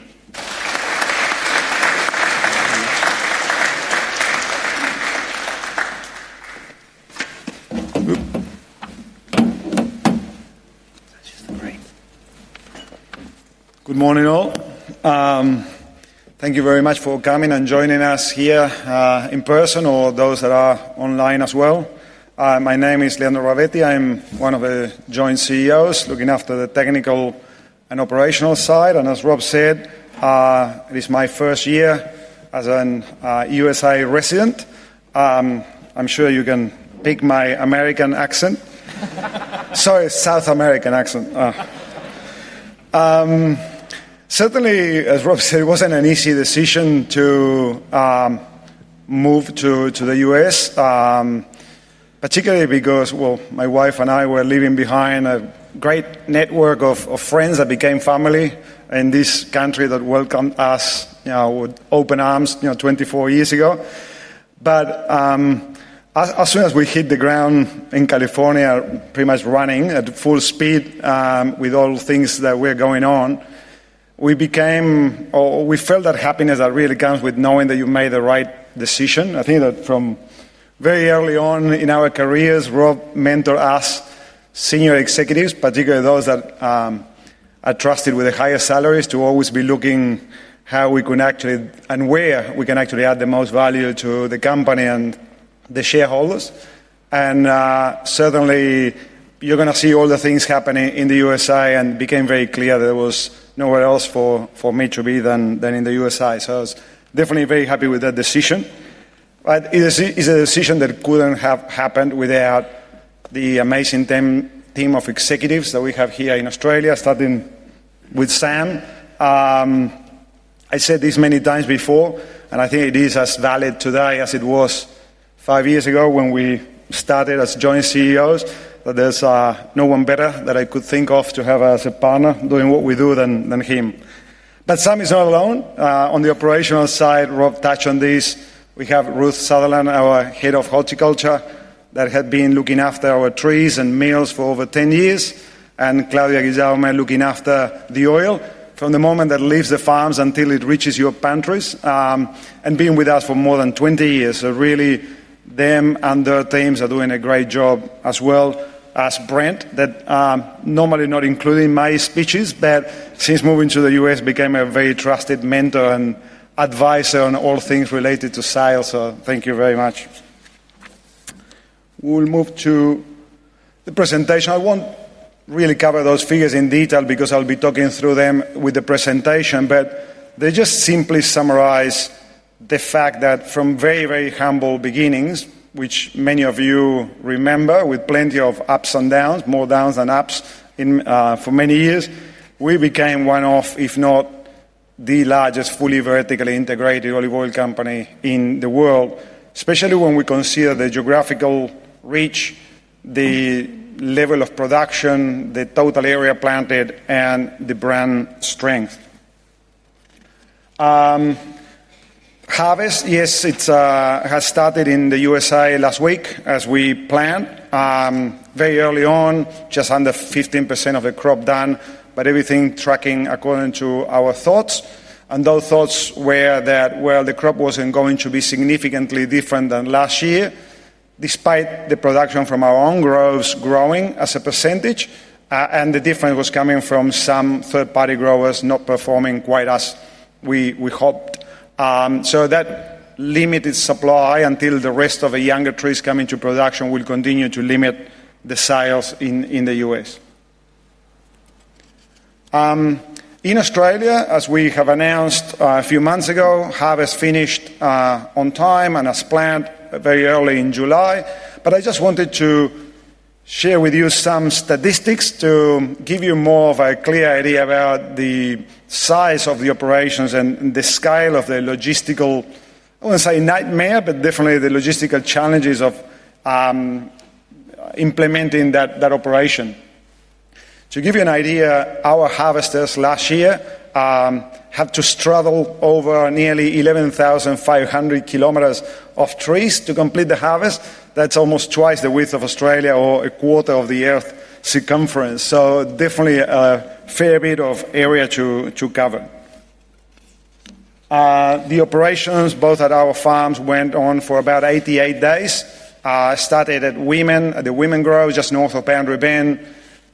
Good morning, all. Thank you very much for coming and joining us here in person or those that are online as well. My name is Leandro Ravetti. I'm one of the Joint CEOs looking after the technical and operational side. As Rob said, it is my first year as a U.S.A. resident. I'm sure you can pick my American accent. Sorry, South American accent. Certainly, as Rob said, it wasn't an easy decision to move to the U.S., particularly because my wife and I were leaving behind a great network of friends that became family in this country that welcomed us with open arms 24 years ago. As soon as we hit the ground in California, pretty much running at full speed with all things that were going on. We became, or we felt that happiness that really comes with knowing that you made the right decision. I think that from very early on in our careers, Rob mentored us senior executives, particularly those that are trusted with the highest salaries, to always be looking how we can actually and where we can actually add the most value to the company and the shareholders. Certainly, you're going to see all the things happening in the U.S., and it became very clear that there was nowhere else for me to be than in the U.S.. I was definitely very happy with that decision. It's a decision that couldn't have happened without the amazing team of executives that we have here in Australia, starting with Sam. I said this many times before, and I think it is as valid today as it was five years ago when we started as joint CEOs, that there's no one better that I could think of to have as a partner doing what we do than him. Sam is not alone. On the operational side, Rob touched on this. We have Ruth Sutherland, our Head of Horticulture, that had been looking after our trees and mills for over 10 years, and Claudia Guillaume, looking after the oil from the moment that leaves the farms until it reaches your pantries, and been with us for more than 20 years. Really, them and their teams are doing a great job as well as Brent, that normally not including my speeches, but since moving to the U.S., became a very trusted mentor and advisor on all things related to sales. Thank you very much. We'll move to the presentation. I won't really cover those figures in detail because I'll be talking through them with the presentation, but they just simply summarize the fact that from very, very humble beginnings, which many of you remember with plenty of ups and downs, more downs than ups for many years, we became one of, if not the largest fully vertically integrated olive oil company in the world, especially when we consider the geographical reach, the level of production, the total area planted, and the brand strength. Harvest, yes, it has started in the U.S. last week as we planned. Very early on, just under 15% of the crop done, but everything tracking according to our thoughts. Those thoughts were that the crop wasn't going to be significantly different than last year, despite the production from our own groves growing as a percentage, and the difference was coming from some third-party growers not performing quite as we hoped. That limited supply until the rest of the younger trees come into production will continue to limit the sales in the U.S. In Australia, as we have announced a few months ago, harvest finished on time and as planned very early in July. I just wanted to share with you some statistics to give you more of a clear idea about the size of the operations and the scale of the logistical challenges of implementing that operation. To give you an idea, our harvesters last year had to struggle over nearly 11,500 kms of trees to complete the harvest. That's almost twice the width of Australia or a quarter of the Earth's circumference. Definitely a fair bit of area to cover. The operations, both at our farms, went on for about 88 days, started at Wymen, the Wymen Grove, just north of Pandery Bend,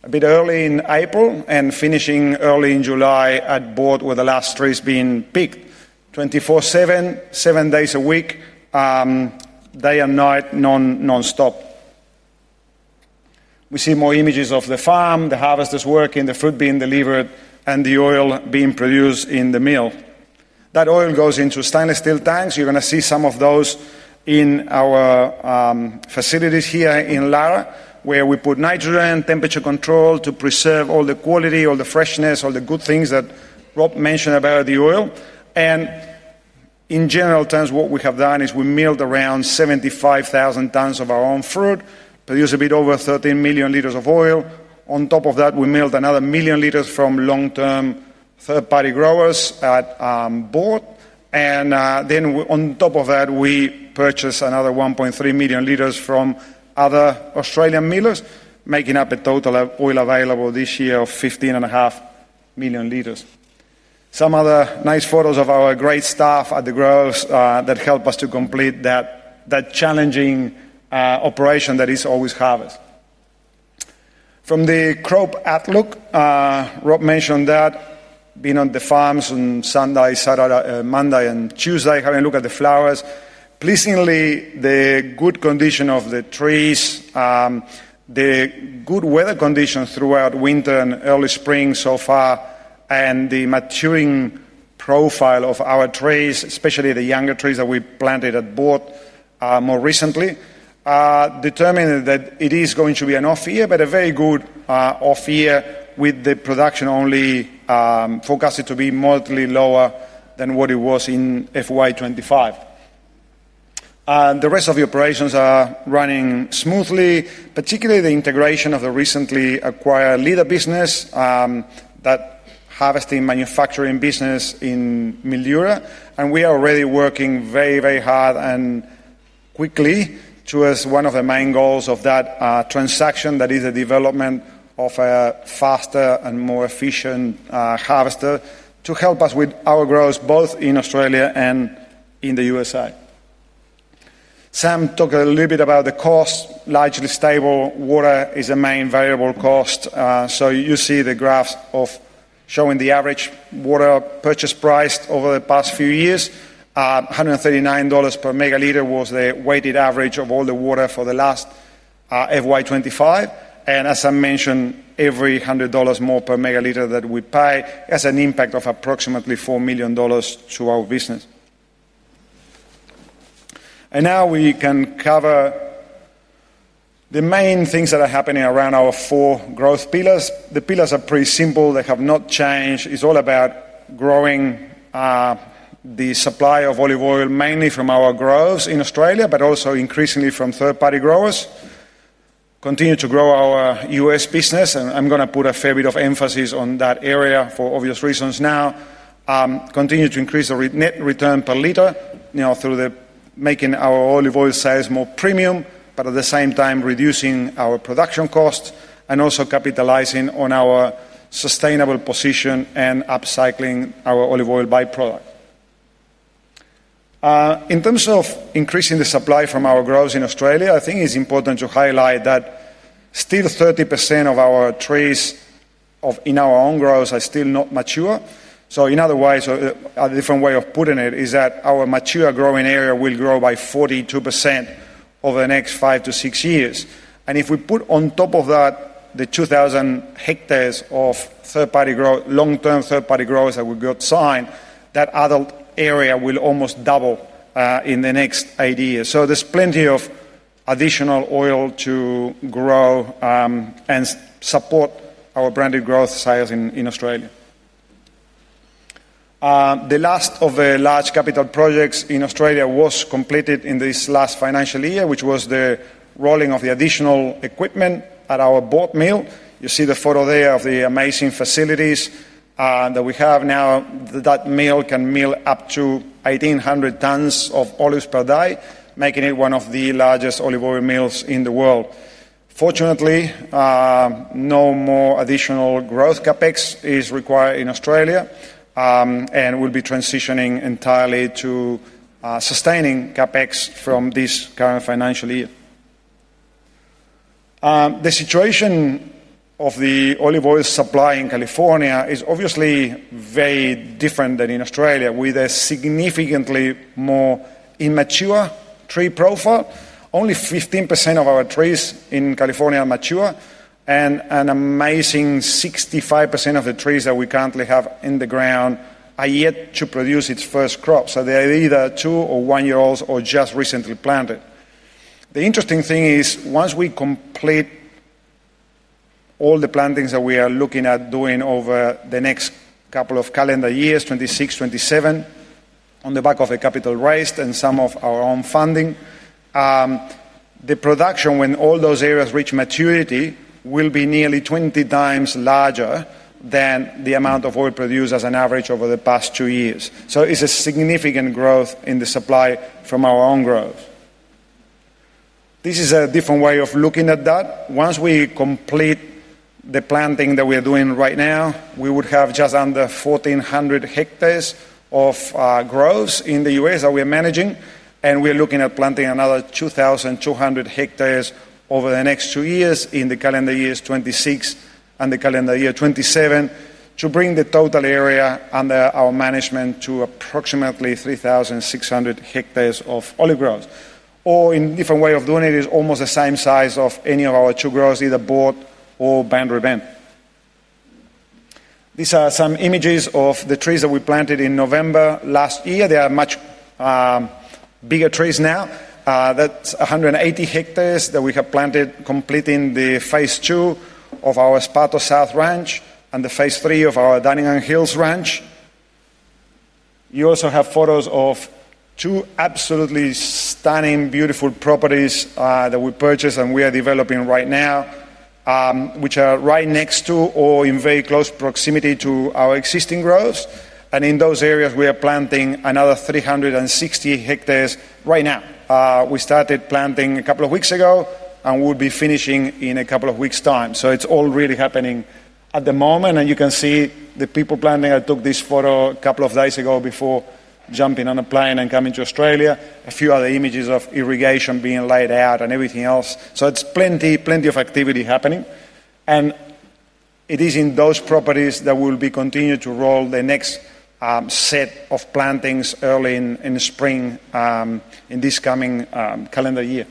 a bit early in April, and finishing early in July at Boort with the last trees being picked. 24/7, seven days a week, day and night, non-stop. We see more images of the farm, the harvesters working, the fruit being delivered, and the oil being produced in the mill. That oil goes into stainless steel tanks. You're going to see some of those in our facilities here in Lara, where we put nitrogen, temperature control to preserve all the quality, all the freshness, all the good things that Rob mentioned about the oil. In general terms, what we have done is we milled around 75,000 tons of our own fruit, produced a bit over 13 million liters of oil. On top of that, we milled another 1 million liters from long-term third-party growers at Boort. Then on top of that, we purchased another 1.3 million liters from other Australian millers, making up a total of oil available this year of 15.5 million liters. Some other nice photos of our great staff at the groves that help us to complete that challenging operation that is always harvest. From the crop outlook, Rob mentioned that being on the farms on Sunday, Saturday, Monday, and Tuesday, having a look at the flowers, pleasingly the good condition of the trees. The good weather conditions throughout winter and early spring so far, and the maturing profile of our trees, especially the younger trees that we planted at Boort more recently, determined that it is going to be an off year, but a very good off year with the production only forecasted to be moderately lower than what it was in FY 2025. The rest of the operations are running smoothly, particularly the integration of the recently acquired Leda AG business, that harvesting manufacturing business in Mildura. We are already working very, very hard and quickly towards one of the main goals of that transaction, that is the development of a faster and more efficient harvester to help us with our growth both in Australia and in the U.S.. Sam talked a little bit about the cost. Largely stable water is a main variable cost. You see the graphs showing the average water purchase price over the past few years. 139 dollars per megalitre was the weighted average of all the water for the last FY 2025. As I mentioned, every 100 dollars more per megalitre that we pay has an impact of approximately 4 million dollars to our business. Now we can cover the main things that are happening around our four growth pillars. The pillars are pretty simple. They have not changed. It's all about growing the supply of olive oil, mainly from our groves in Australia, but also increasingly from third-party growers. Continue to grow our U.S. business. I'm going to put a fair bit of emphasis on that area for obvious reasons now. Continue to increase the net return per litre through making our olive oil sales more premium, but at the same time reducing our production costs and also capitalizing on our sustainable position and upcycling our olive oil byproduct. In terms of increasing the supply from our groves in Australia, I think it's important to highlight that still 30% of our trees in our own groves are still not mature. In other words, a different way of putting it is that our mature growing area will grow by 42% over the next five to six years. If we put on top of that the 2,000 hectares of long-term third-party growers that we got signed, that adult area will almost double in the next eight years. There's plenty of additional oil to grow and support our branded growth sales in Australia. The last of the large capital projects in Australia was completed in this last financial year, which was the rolling of the additional equipment at our Boort mill. You see the photo there of the amazing facilities that we have now. That mill can mill up to 1,800 tons of olives per day, making it one of the largest olive oil mills in the world. Fortunately, no more additional growth CapEx is required in Australia, and we'll be transitioning entirely to sustaining CapEx from this current financial year. The situation of the olive oil supply in California is obviously very different than in Australia, with a significantly more immature tree profile. Only 15% of our trees in California are mature, and an amazing 65% of the trees that we currently have in the ground are yet to produce its first crop. They're either two or one-year-olds or just recently planted. The interesting thing is, once we complete all the plantings that we are looking at doing over the next couple of calendar years, 2026, 2027, on the back of the capital raised and some of our own funding, the production, when all those areas reach maturity, will be nearly 20 times larger than the amount of oil produced as an average over the past two years. It's a significant growth in the supply from our own groves. This is a different way of looking at that. Once we complete the planting that we're doing right now, we would have just under 1,400 hectares of groves in the U.S. that we're managing, and we're looking at planting another 2,200 hectares over the next two years in the calendar year 2026 and the calendar year 2027 to bring the total area under our management to approximately 3,600 hectares of olive groves. In a different way of doing it, it's almost the same size of any of our two groves, either Boort or Boundary Bend. These are some images of the trees that we planted in November last year. They are much bigger trees now. That's 180 hectares that we have planted, completing the phase two of our Spato South ranch and the phase three of our Dunning and Hills ranch. You also have photos of two absolutely stunning, beautiful properties that we purchased and we are developing right now, which are right next to or in very close proximity to our existing groves. In those areas, we are planting another 360 hectares right now. We started planting a couple of weeks ago and we'll be finishing in a couple of weeks' time. It's all really happening at the moment. You can see the people planting. I took this photo a couple of days ago before jumping on a plane and coming to Australia. A few other images of irrigation being laid out and everything else. It's plenty, plenty of activity happening. It is in those properties that we'll be continuing to roll the next set of plantings early in spring in this coming calendar year.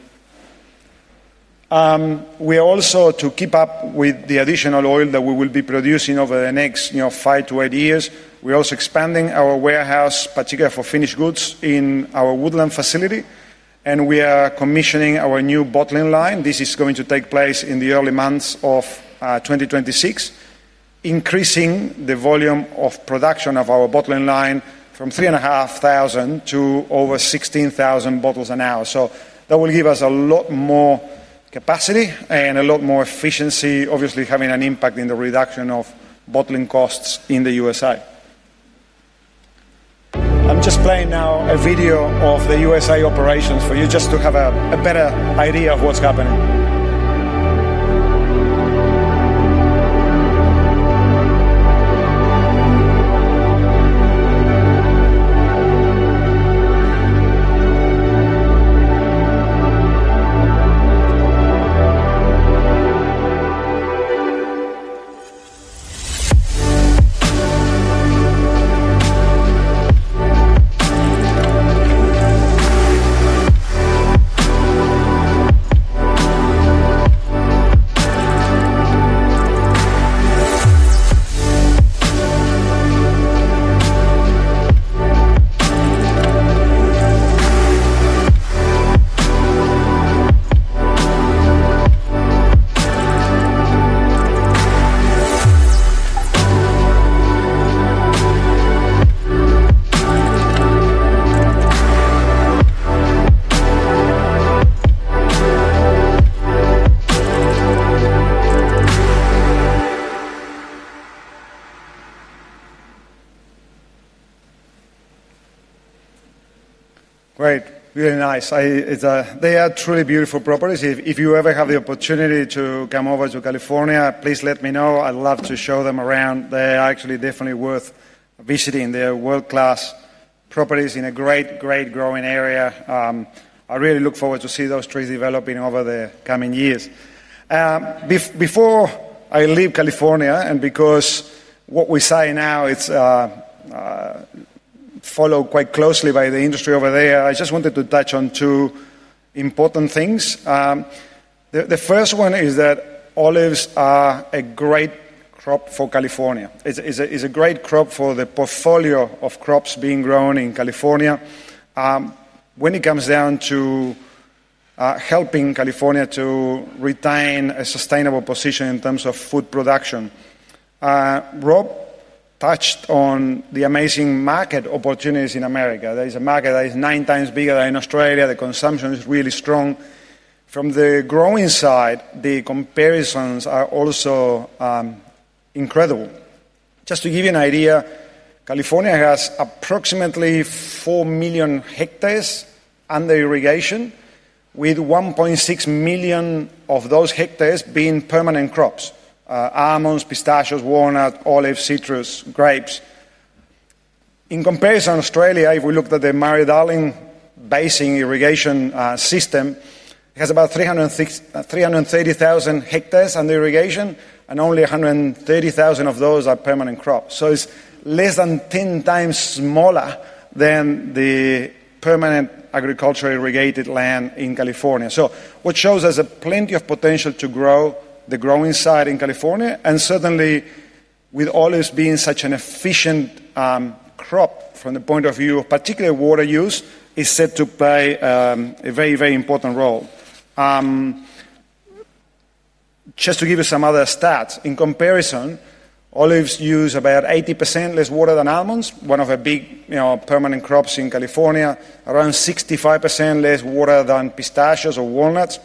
We are also, to keep up with the additional oil that we will be producing over the next five to eight years, expanding our warehouse, particularly for finished goods, in our Woodland facility. We are commissioning our new bottling line. This is going to take place in the early months of 2026, increasing the volume of production of our bottling line from 3,500 to over 16,000 bottles an hour. That will give us a lot more capacity and a lot more efficiency, obviously having an impact in the reduction of bottling costs in the U.S.. I'm just playing now a video of the U.S. operations for you, just to have a better idea of what's happening. Great. Really nice. They are truly beautiful properties. If you ever have the opportunity to come over to California, please let me know. I'd love to show them around. They're actually definitely worth visiting. They're world-class properties in a great, great growing area. I really look forward to seeing those trees developing over the coming years. Before I leave California, and because what we say now is followed quite closely by the industry over there, I just wanted to touch on two important things. The first one is that olives are a great crop for California. It's a great crop for the portfolio of crops being grown in California when it comes down to helping California to retain a sustainable position in terms of food production. Rob touched on the amazing market opportunities in America. There is a market that is nine times bigger than in Australia. The consumption is really strong. From the growing side, the comparisons are also incredible. Just to give you an idea, California has approximately 4 million hectares under irrigation, with 1.6 million of those hectares being permanent crops: almonds, pistachios, walnuts, olives, citrus, grapes. In comparison, Australia, if we looked at the Murray-Darling Basin irrigation system, has about 330,000 hectares under irrigation, and only 130,000 of those are permanent crops. It's less than 10 times smaller than the permanent agricultural irrigated land in California. What shows us is plenty of potential to grow the growing side in California, and certainly, with olives being such an efficient. Crop from the point of view of particularly water use, it's set to play a very, very important role. Just to give you some other stats, in comparison, olives use about 80% less water than almonds, one of the big permanent crops in California, around 65% less water than pistachios or walnuts,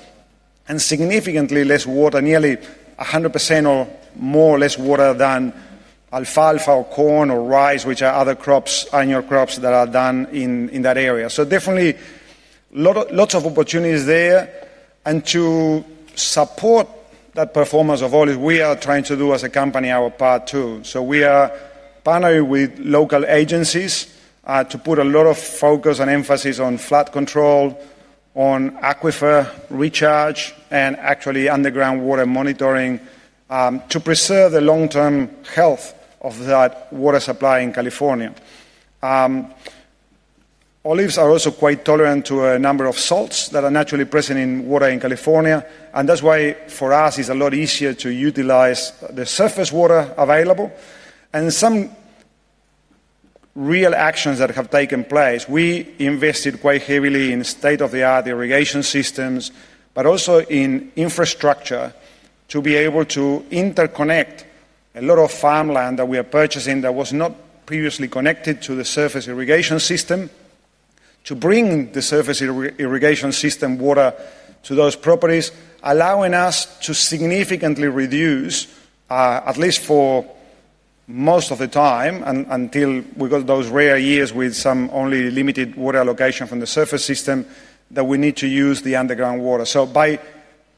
and significantly less water, nearly 100% or more or less water than alfalfa or corn or rice, which are other annual crops that are done in that area. Definitely lots of opportunities there. To support that performance of olives, we are trying to do as a company our part too. We are partnering with local agencies to put a lot of focus and emphasis on flood control, on aquifer recharge, and actually underground water monitoring to preserve the long-term health of that water supply in California. Olives are also quite tolerant to a number of salts that are naturally present in water in California. That's why for us, it's a lot easier to utilize the surface water available. Some real actions that have taken place, we invested quite heavily in state-of-the-art irrigation systems, but also in infrastructure to be able to interconnect a lot of farmland that we are purchasing that was not previously connected to the surface irrigation system. To bring the surface irrigation system water to those properties, allowing us to significantly reduce, at least for most of the time until we got those rare years with some only limited water allocation from the surface system that we need to use the underground water. By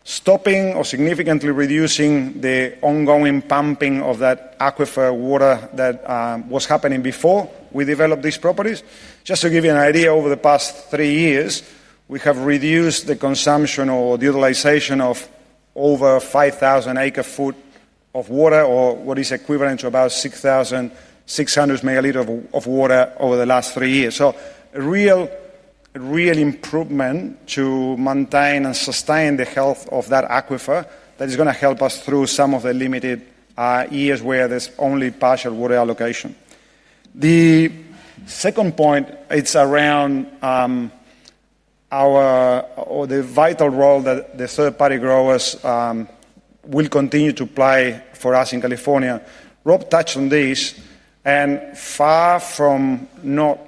stopping or significantly reducing the ongoing pumping of that aquifer water that was happening before, we developed these properties. Just to give you an idea, over the past three years, we have reduced the consumption or the utilization of over 5,000 acre-foot of water, or what is equivalent to about 6,600 megalitres of water over the last three years. A real improvement to maintain and sustain the health of that aquifer that is going to help us through some of the limited years where there's only partial water allocation. The second point, it's around the vital role that the third-party growers will continue to play for us in California. Rob touched on this, and far from not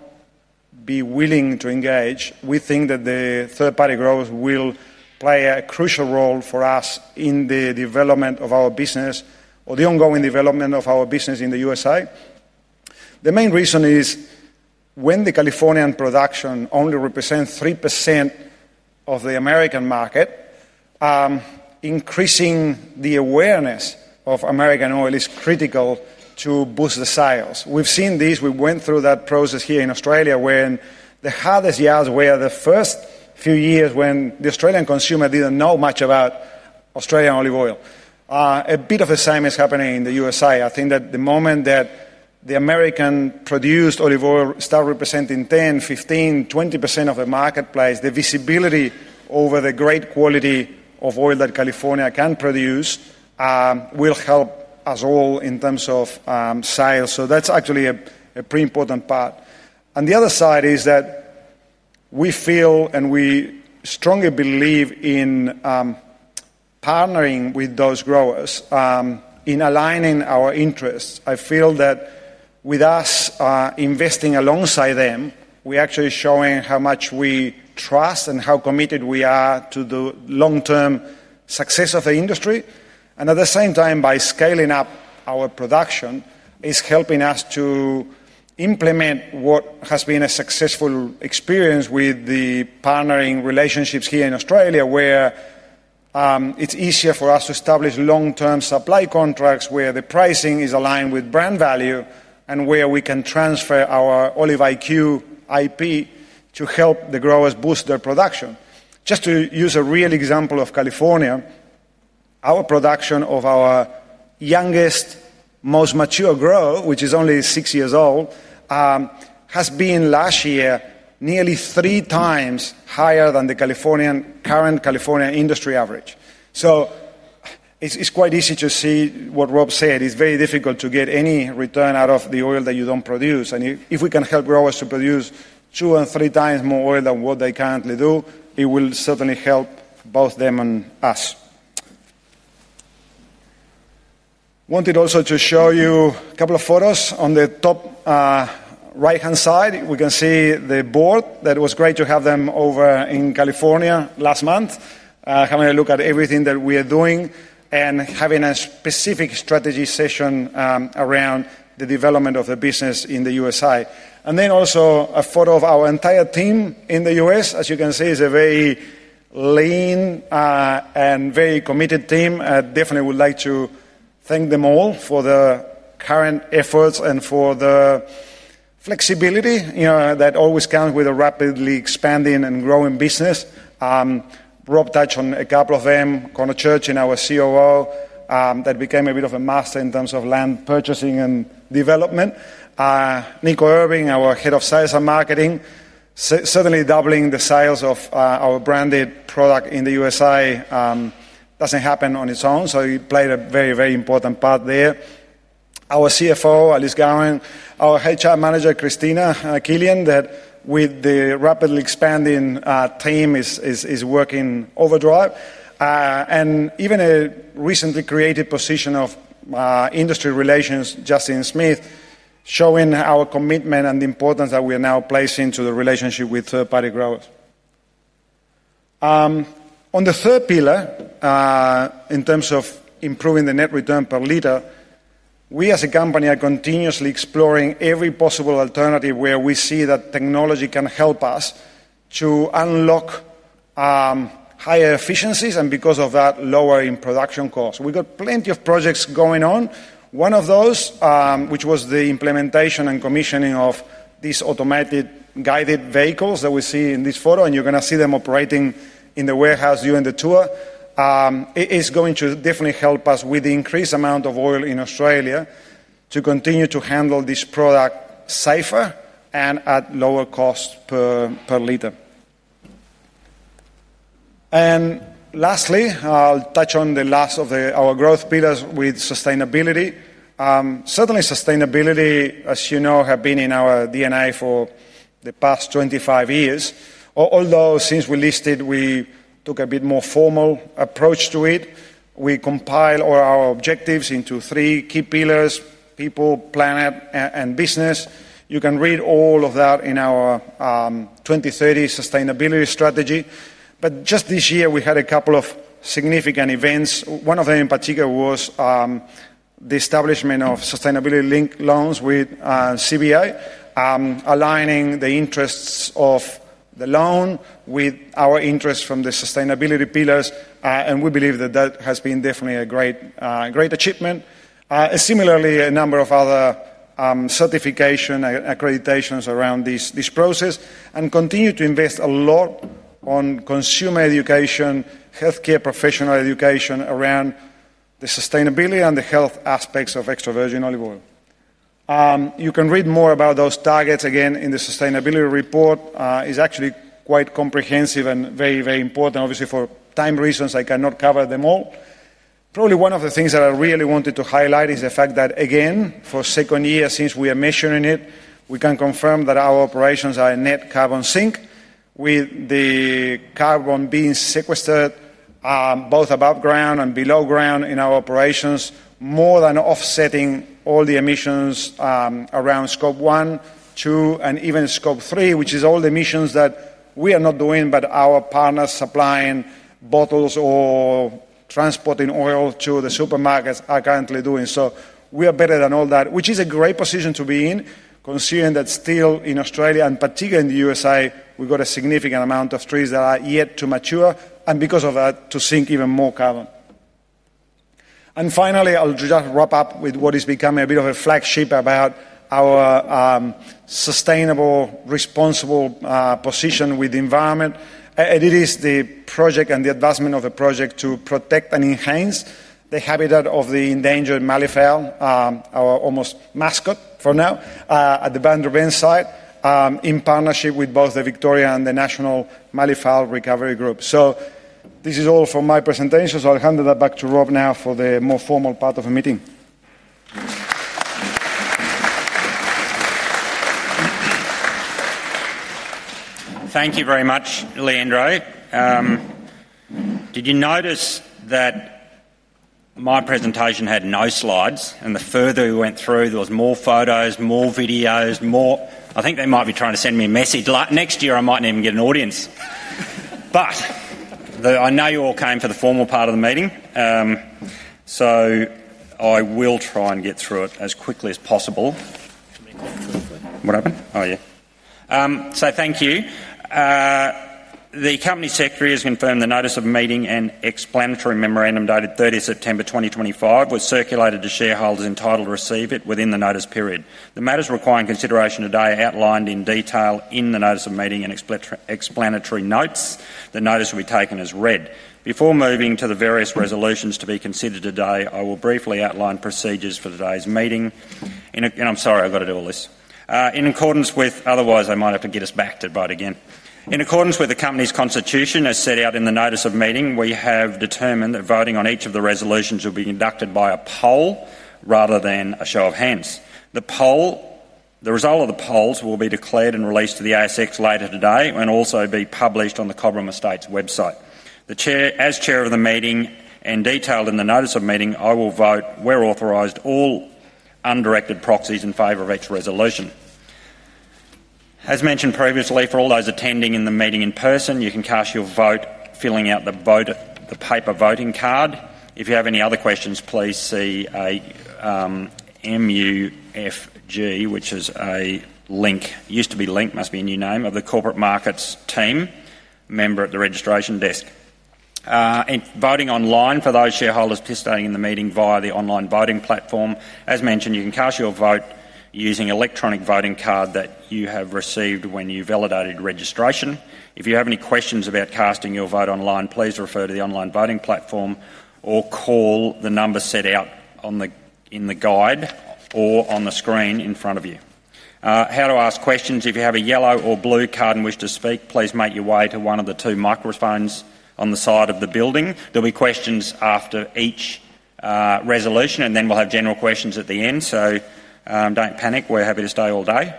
be willing to engage, we think that the third-party growers will play a crucial role for us in the development of our business or the ongoing development of our business in the U.S.. The main reason is. When the Californian production only represents 3% of the American market, increasing the awareness of American oil is critical to boost the sales. We've seen this. We went through that process here in Australia when the hardest years were the first few years when the Australian consumer didn't know much about Australian olive oil. A bit of the same is happening in the U.S.. I think that the moment that the American-produced olive oil starts representing 10%, 15%, 20% of the marketplace, the visibility over the great quality of oil that California can produce will help us all in terms of sales. That's actually a pretty important part. On the other side, we feel and we strongly believe in partnering with those growers in aligning our interests. I feel that with us investing alongside them, we're actually showing how much we trust and how committed we are to the long-term success of the industry. At the same time, by scaling up our production, it's helping us to implement what has been a successful experience with the partnering relationships here in Australia, where it's easier for us to establish long-term supply contracts where the pricing is aligned with brand value and where we can transfer our Olive IQ IP to help the growers boost their production. Just to use a real example of California, our production of our youngest, most mature grove, which is only six years old, has been last year nearly three times higher than the current California industry average. It's quite easy to see what Rob said. It's very difficult to get any return out of the oil that you don't produce, and if we can help growers to produce two and three times more oil than what they currently do, it will certainly help both them and us. I wanted also to show you a couple of photos. On the top right-hand side, we can see the board. That was great to have them over in California last month, having a look at everything that we are doing and having a specific strategy session around the development of the business in the U.S.. Then also a photo of our entire team in the U.S.. As you can see, it's a very lean and very committed team. I definitely would like to thank them all for the current efforts and for the flexibility that always comes with a rapidly expanding and growing business. Rob touched on a couple of them. Connor Church, our COO, became a bit of a master in terms of land purchasing and development. Nico Irving, our Head of Sales and Marketing, certainly doubling the sales of our branded product in the U.S.. Doesn't happen on its own, so he played a very, very important part there. Our CFO, Alice Gowan, our HR Manager, Christina Killian, that with the rapidly expanding team is working overdrive. Even a recently created position of Industry Relations, Justin Smith, showing our commitment and the importance that we are now placing to the relationship with third-party growers. On the third pillar, in terms of improving the net return per liter, we as a company are continuously exploring every possible alternative where we see that technology can help us to unlock higher efficiencies and, because of that, lowering production costs. We've got plenty of projects going on. One of those, which was the implementation and commissioning of these automated guided vehicles that we see in this photo, and you're going to see them operating in the warehouse during the tour. It's going to definitely help us with the increased amount of oil in Australia to continue to handle this product safer and at lower cost per liter. Lastly, I'll touch on the last of our growth pillars with sustainability. Certainly, sustainability, as you know, has been in our DNA for the past 25 years. Although since we listed, we took a bit more formal approach to it. We compiled our objectives into three key pillars: people, planet, and business. You can read all of that in our 2030 Sustainability Strategy. Just this year, we had a couple of significant events. One of them in particular was the establishment of sustainability-linked loans with CBA, aligning the interests of the loan with our interests from the sustainability pillars. We believe that that has been definitely a great achievement. Similarly, a number of other certification and accreditations around this process and continue to invest a lot on consumer education, healthcare professional education around the sustainability and the health aspects of extra virgin olive oil. You can read more about those targets again in the sustainability report. It's actually quite comprehensive and very, very important. Obviously, for time reasons, I cannot cover them all. Probably one of the things that I really wanted to highlight is the fact that, again, for the second year since we are measuring it, we can confirm that our operations are net carbon sink, with the carbon being sequestered. Both above ground and below ground in our operations, more than offsetting all the emissions around scope one, two, and even scope three, which is all the emissions that we are not doing, but our partners supplying bottles or transporting oil to the supermarkets are currently doing. We are better than all that, which is a great position to be in, considering that still in Australia and particularly in the U.S., we've got a significant amount of trees that are yet to mature and because of that, to sink even more carbon. Finally, I'll just wrap up with what is becoming a bit of a flagship about our sustainable responsible position with the environment. It is the project and the advancement of the project to protect and enhance the habitat of the endangered malleefowl, our almost mascot for now, at the Boundary Bend site, in partnership with both the Victoria and the National Malleefowl Recovery Group. This is all from my presentation. I'll hand that back to Rob now for the more formal part of the meeting. Thank you very much, Leandro. Did you notice that my presentation had no slides? The further we went through, there were more photos, more videos, more... I think they might be trying to send me a message. Next year, I might not even get an audience. I know you all came for the formal part of the meeting, so I will try and get through it as quickly as possible. The company secretary has confirmed the notice of meeting and explanatory memorandum dated 30 September 2025 was circulated to shareholders entitled to receive it within the notice period. The matters requiring consideration today are outlined in detail in the notice of meeting and explanatory notes. The notice will be taken as read. Before moving to the various resolutions to be considered today, I will briefly outline procedures for today's meeting. I'm sorry, I've got to do all this. In accordance with the company's constitution, as set out in the notice of meeting, we have determined that voting on each of the resolutions will be conducted by a poll rather than a show of hands. The result of the polls will be declared and released to the ASX later today and also be published on the Cobram Estate website. As Chair of the meeting and detailed in the notice of meeting, I will vote where authorized all undirected proxies in favor of each resolution. As mentioned previously, for all those attending the meeting in person, you can cast your vote by filling out the paper voting card. If you have any other questions, please see a member of the MUFG corporate markets team at the registration desk. Voting online for those shareholders participating in the meeting via the online voting platform: as mentioned, you can cast your vote using the electronic voting card that you have received when you validated registration. If you have any questions about casting your vote online, please refer to the online voting platform or call the number set out in the guide or on the screen in front of you. How to ask questions: if you have a yellow or blue card and wish to speak, please make your way to one of the two microphones on the side of the building. There will be questions after each resolution, and then we'll have general questions at the end. Don't panic. We're happy to stay all day.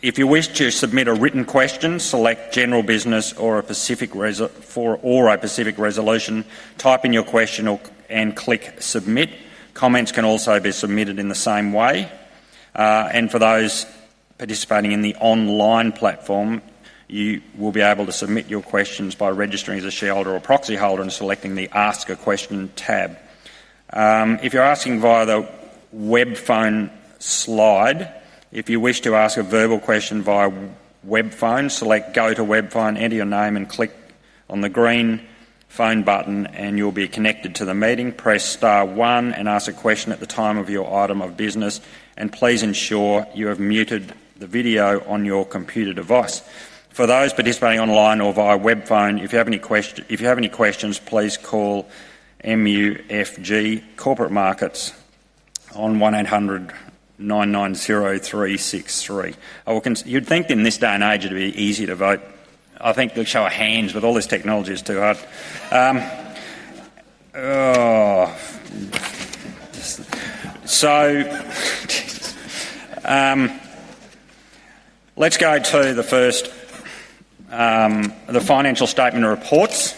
If you wish to submit a written question, select general business or a specific resolution, type in your question, and click submit. Comments can also be submitted in the same way. For those participating in the online platform, you will be able to submit your questions by registering as a shareholder or proxy holder and selecting the ask a question tab. If you're asking via the web phone slide, if you wish to ask a verbal question via web phone, select go to web phone, enter your name, and click on the green phone button, and you'll be connected to the meeting. Press star one and ask a question at the time of your item of business. Please ensure you have muted the video on your computer device. For those participating online or via web phone, if you have any questions, please call MUFG Corporate Markets on 1-800-990-363. You'd think in this day and age it'd be easy to vote. I think they'll show a hand with all these technologies too. Let's go to the financial statement reports.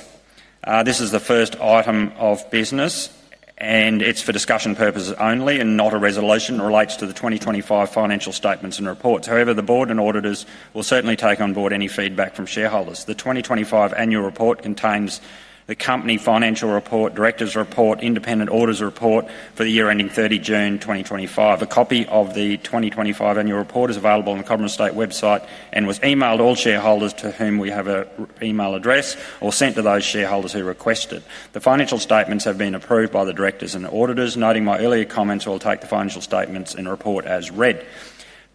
This is the first item of business, and it's for discussion purposes only and not a resolution. It relates to the 2025 financial statements and reports. However, the board and auditors will certainly take on board any feedback from shareholders. The 2025 annual report contains the company financial report, director's report, independent auditor's report for the year ending 30 June 2025. A copy of the 2025 annual report is available on the Cobram Estate website and was emailed to all shareholders to whom we have an email address or sent to those shareholders who requested. The financial statements have been approved by the directors and auditors. Noting my earlier comments, we'll take the financial statements and report as read.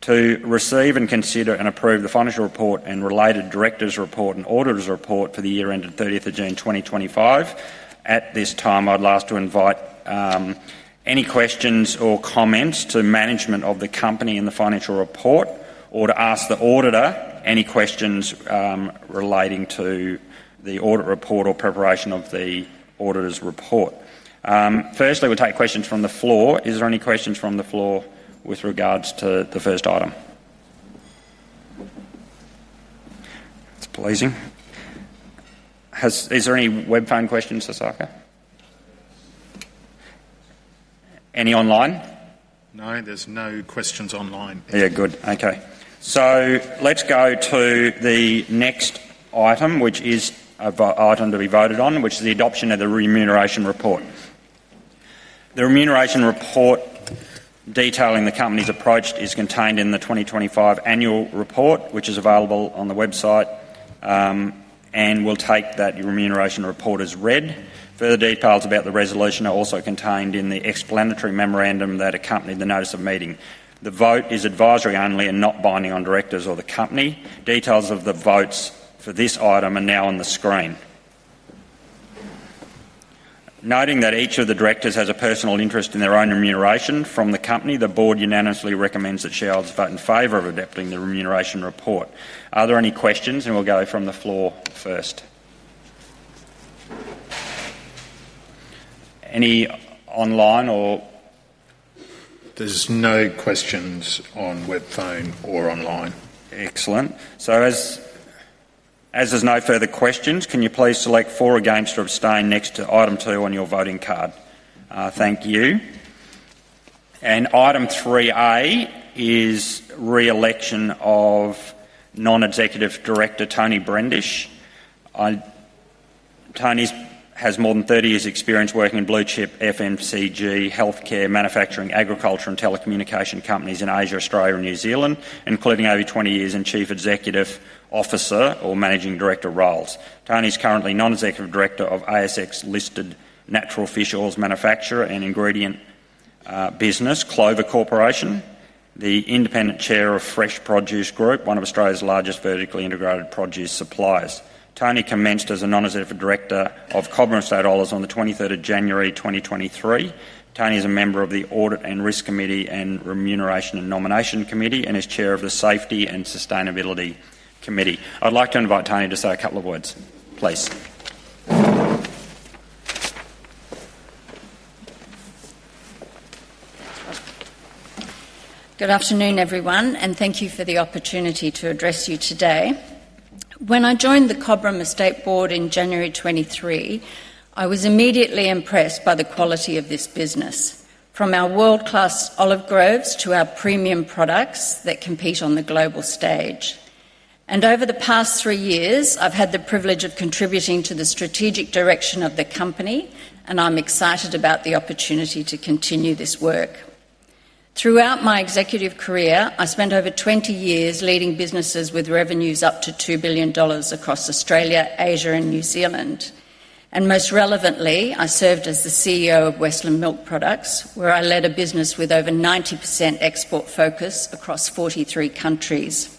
To receive and consider and approve the financial report and related director's report and auditor's report for the year ending 30 June 2025, at this time, I'd like to invite any questions or comments to management of the company in the financial report or to ask the auditor any questions relating to the audit report or preparation of the auditor's report. Firstly, we'll take questions from the floor. Is there any questions from the floor with regards to the first item? It's pleasing. Is there any web phone questions, Hasaka? Any online? No, there's no questions online. Yeah, good. Okay. Let's go to the next item, which is an item to be voted on, which is the adoption of the remuneration report. The remuneration report detailing the company's approach is contained in the 2025 annual report, which is available on the website. We'll take that remuneration report as read. Further details about the resolution are also contained in the explanatory memorandum that accompanied the notice of meeting. The vote is advisory only and not binding on directors or the company. Details of the votes for this item are now on the screen. Noting that each of the directors has a personal interest in their own remuneration from the company, the board unanimously recommends that shareholders vote in favor of adopting the remuneration report. Are there any questions? We'll go from the floor first. Any online or? There are no questions on web phone or online. Excellent. As there's no further questions, can you please select for or against or abstain next to item two on your voting card? Thank you. Item 3A is re-election of Non-Executive Director Toni Brendish. Toni has more than 30 years' experience working in blue chip FMCG, healthcare, manufacturing, agriculture, and telecommunication companies in Asia, Australia, and New Zealand, including over 20 years in Chief Executive Officer or Managing Director roles. Toni is currently Non-Executive Director of ASX-listed natural fish oils manufacturer and ingredient business, Clover Corporation, and the independent Chair of Fresh Produce Group, one of Australia's largest vertically integrated produce suppliers. Toni commenced as a Non-Executive Director of Cobram Estate Olives Limited on the 23rd of January 2023. Toni is a member of the Audit and Risk Committee and Remuneration and Nominations Committee and is Chair of the Safety and Sustainability Committee. I'd like to invite Toni to say a couple of words, please. Good afternoon, everyone, and thank you for the opportunity to address you today. When I joined the Cobram Estate Olives Limited Board in January 2023, I was immediately impressed by the quality of this business, from our world-class olive groves to our premium products that compete on the global stage. Over the past three years, I've had the privilege of contributing to the strategic direction of the company, and I'm excited about the opportunity to continue this work. Throughout my executive career, I spent over 20 years leading businesses with revenues up to 2 billion dollars across Australia, Asia, and New Zealand. Most relevantly, I served as the CEO of Westland Milk Products, where I led a business with over 90% export focus across 43 countries.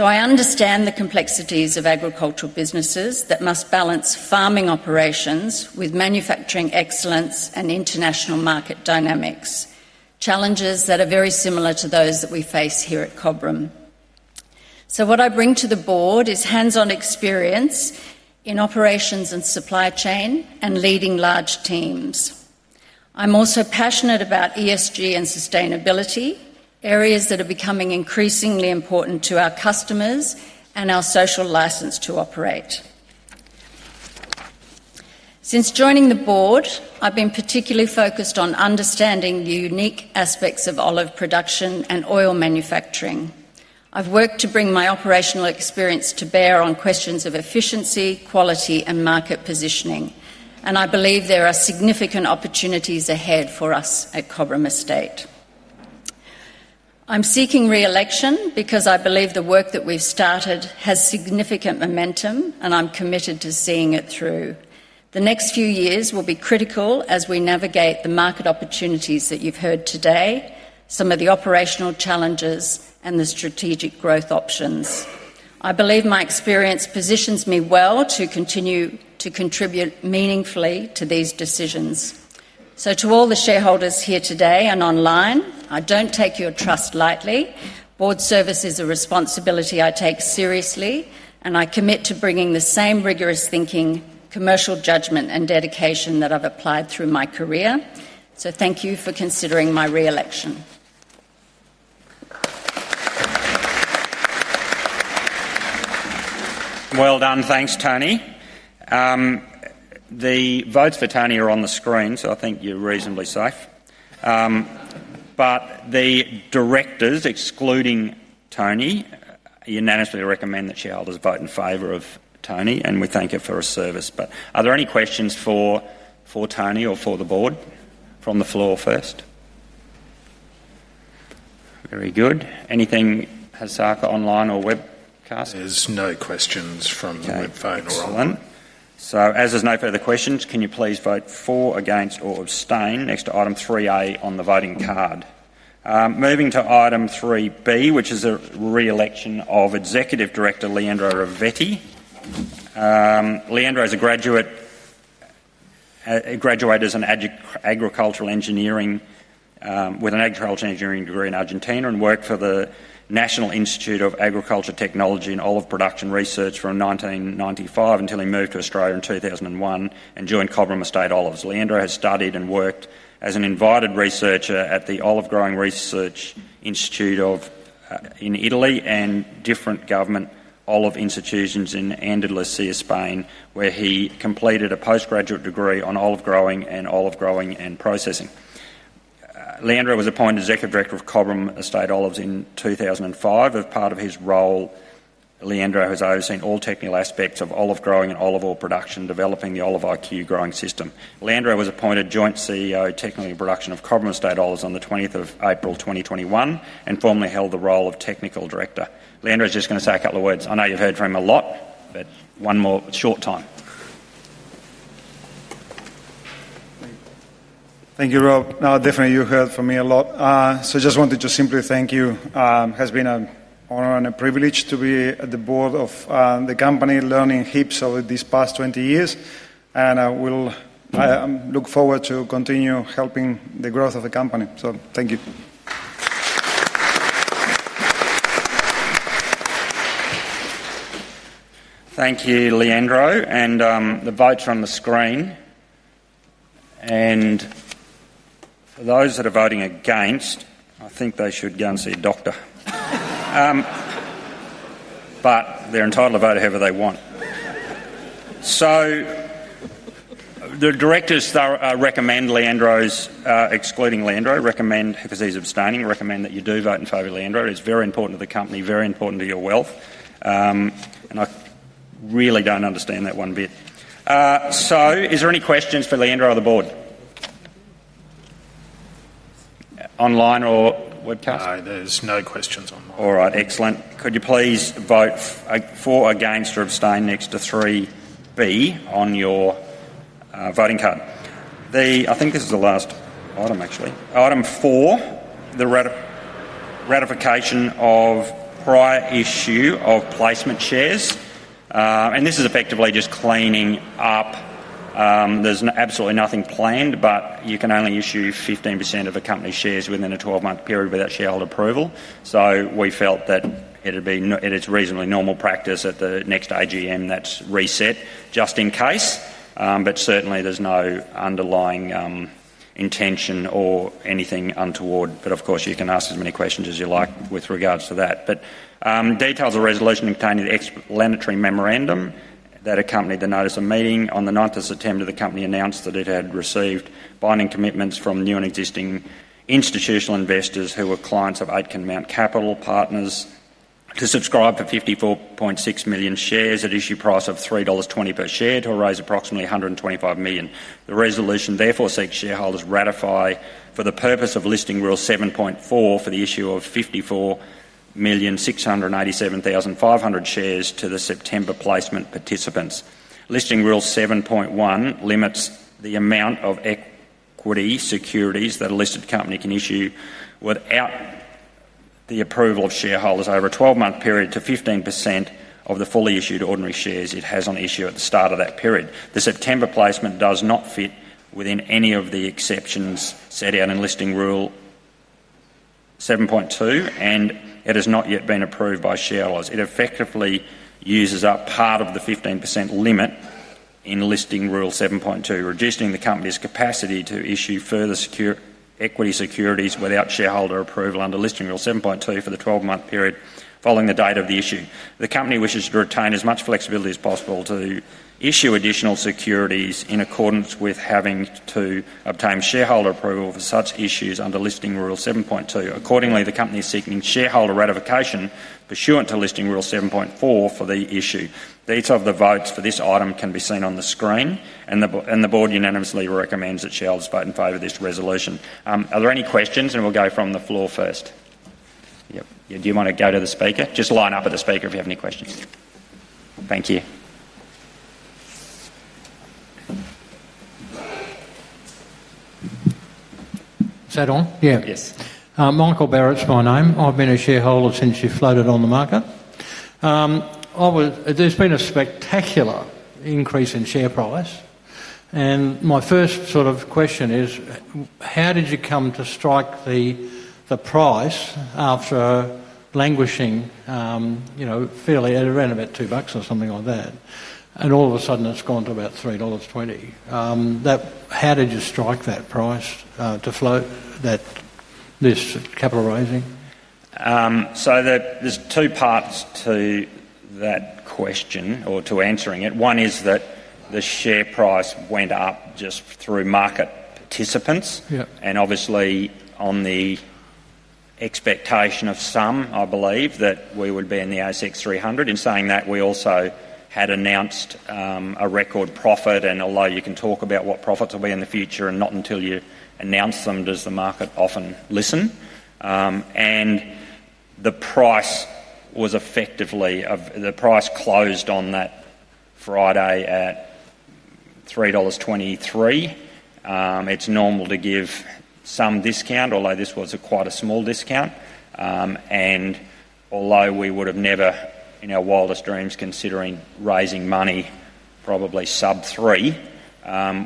I understand the complexities of agricultural businesses that must balance farming operations with manufacturing excellence and international market dynamics, challenges that are very similar to those that we face here at Cobram Estate Olives Limited. What I bring to the Board is hands-on experience in operations and supply chain and leading large teams. I'm also passionate about ESG and sustainability, areas that are becoming increasingly important to our customers and our social license to operate. Since joining the Board, I've been particularly focused on understanding the unique aspects of olive production and oil manufacturing. I've worked to bring my operational experience to bear on questions of efficiency, quality, and market positioning, and I believe there are significant opportunities ahead for us at Cobram Estate Olives Limited. I'm seeking re-election because I believe the work that we've started has significant momentum, and I'm committed to seeing it through. The next few years will be critical as we navigate the market opportunities that you've heard today, some of the operational challenges, and the strategic growth options. I believe my experience positions me well to continue to contribute meaningfully to these decisions. To all the shareholders here today and online, I don't take your trust lightly. Board service is a responsibility I take seriously, and I commit to bringing the same rigorous thinking, commercial judgment, and dedication that I've applied through my career. Thank you for considering my re-election. Well done. Thanks, Toni. The votes for Toni are on the screen, so I think you're reasonably safe. The directors, excluding Toni, unanimously recommend that shareholders vote in favor of Toni, and we thank you for your service. Are there any questions for Toni or for the board from the floor first? Very good. Anything, Hasaka, online or webcast? There's no questions from the web, phone, or online. Excellent. As there's no further questions, can you please vote for, against, or abstain next to item 3A on the voting card? Moving to item 3B, which is a re-election of Executive Director Leandro Ravetti. Leandro is a graduate with an agricultural engineering degree in Argentina and worked for the National Institute of Agriculture Technology and Olive Production Research from 1995 until he moved to Australia in 2001 and joined Cobram Estate Olives. Leandro has studied and worked as an invited researcher at the Olive Growing Research Institute in Italy and different government olive institutions in Andalusia, Spain, where he completed a postgraduate degree on olive growing and processing. Leandro was appointed Executive Director of Cobram Estate Olives in 2005. As part of his role, Leandro has overseen all technical aspects of olive growing and olive oil production, developing the Olive IQ growing system. Leandro was appointed Joint CEO Technical Production of Cobram Estate Olives on the 20th of April 2021 and formally held the role of Technical Director. Leandro's just going to say a couple of words. I know you've heard from him a lot, but one more short time. Thank you, Rob. No, definitely you heard from me a lot. I just wanted to simply thank you. It has been an honor and a privilege to be at the board of the company learning heaps over these past 20 years, and I will look forward to continue helping the growth of the company. Thank you. Thank you, Leandro. The votes are on the screen. For those that are voting against, I think they should go and see a doctor, but they're entitled to vote however they want. The directors, excluding Leandro because he's abstaining, recommend that you do vote in favor of Leandro. It's very important to the company, very important to your wealth. I really don't understand that one bit. Are there any questions for Leandro or the board, online or webcast? Are no questions online. All right. Excellent. Could you please vote for or against or abstain next to 3B on your voting card? I think this is the last item, actually. Item 4, the ratification of prior issue of placement shares. This is effectively just cleaning up. There's absolutely nothing planned, but you can only issue 15% of a company's shares within a 12-month period without shareholder approval. We felt that it would be reasonably normal practice at the next AGM that's reset just in case. Certainly, there's no underlying intention or anything untoward. Of course, you can ask as many questions as you like with regards to that. Details of the resolution are contained in the explanatory memorandum that accompanied the notice of meeting. On the 9th of September, the company announced that it had received binding commitments from new and existing institutional investors who were clients of Aitken Mount Capital Partners to subscribe for 54.6 million shares at an issue price of 3.20 dollars per share to raise approximately 125 million. The resolution therefore seeks shareholders ratify for the purpose of Listing Rule 7.4 for the issue of 54,687,500 shares to the September placement participants. Listing Rule 7.1 limits the amount of equity securities that a listed company can issue without the approval of shareholders over a 12-month period to 15% of the fully issued ordinary shares it has on issue at the start of that period. The September placement does not fit within any of the exceptions set out in Listing Rule 7.2, and it has not yet been approved by shareholders. It effectively uses up part of the 15% limit in Listing Rule 7.2, reducing the company's capacity to issue further equity securities without shareholder approval under Listing Rule 7.2 for the 12-month period following the date of the issue. The company wishes to retain as much flexibility as possible to issue additional securities in accordance with having to obtain shareholder approval for such issues under Listing Rule 7.2. Accordingly, the company is seeking shareholder ratification pursuant to Listing Rule 7.4 for the issue. Details of the votes for this item can be seen on the screen, and the board unanimously recommends that shareholders vote in favor of this resolution. Are there any questions? We'll go from the floor first. Yep. Do you want to go to the speaker? Just line up with the speaker if you have any questions. Thank you. Is that on? Yeah. Yes. Michael Barrett, my name. I've been a shareholder since you floated on the market. There's been a spectacular increase in share price. My first sort of question is, how did you come to strike the price after languishing fairly at around about 2 bucks or something like that? All of a sudden, it's gone to about 3.20 dollars. How did you strike that price to float this capital raising? There are two parts to that question or to answering it. One is that the share price went up just through market participants, obviously on the expectation of some, I believe, that we would be in the ASX 300. In saying that, we also had announced a record profit. Although you can talk about what profits will be in the future and not until you announce them, does the market often listen? The price was effectively, the price closed on that Friday at 3.23 dollars. It's normal to give some discount, although this was quite a small discount. Although we would have never in our wildest dreams considered raising money probably sub-AUD 3,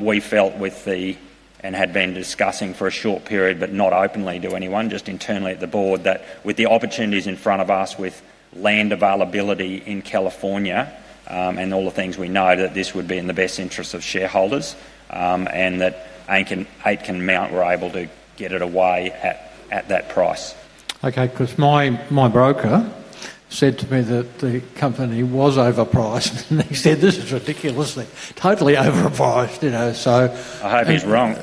we felt with the, and had been discussing for a short period, but not openly to anyone, just internally at the board, that with the opportunities in front of us with land availability in California and all the things we know, that this would be in the best interest of shareholders and that Aitken Mount were able to get it away at that price. Okay, because my broker said to me that the company was overpriced. He said, "This is ridiculously, totally overpriced. I hope he's wrong.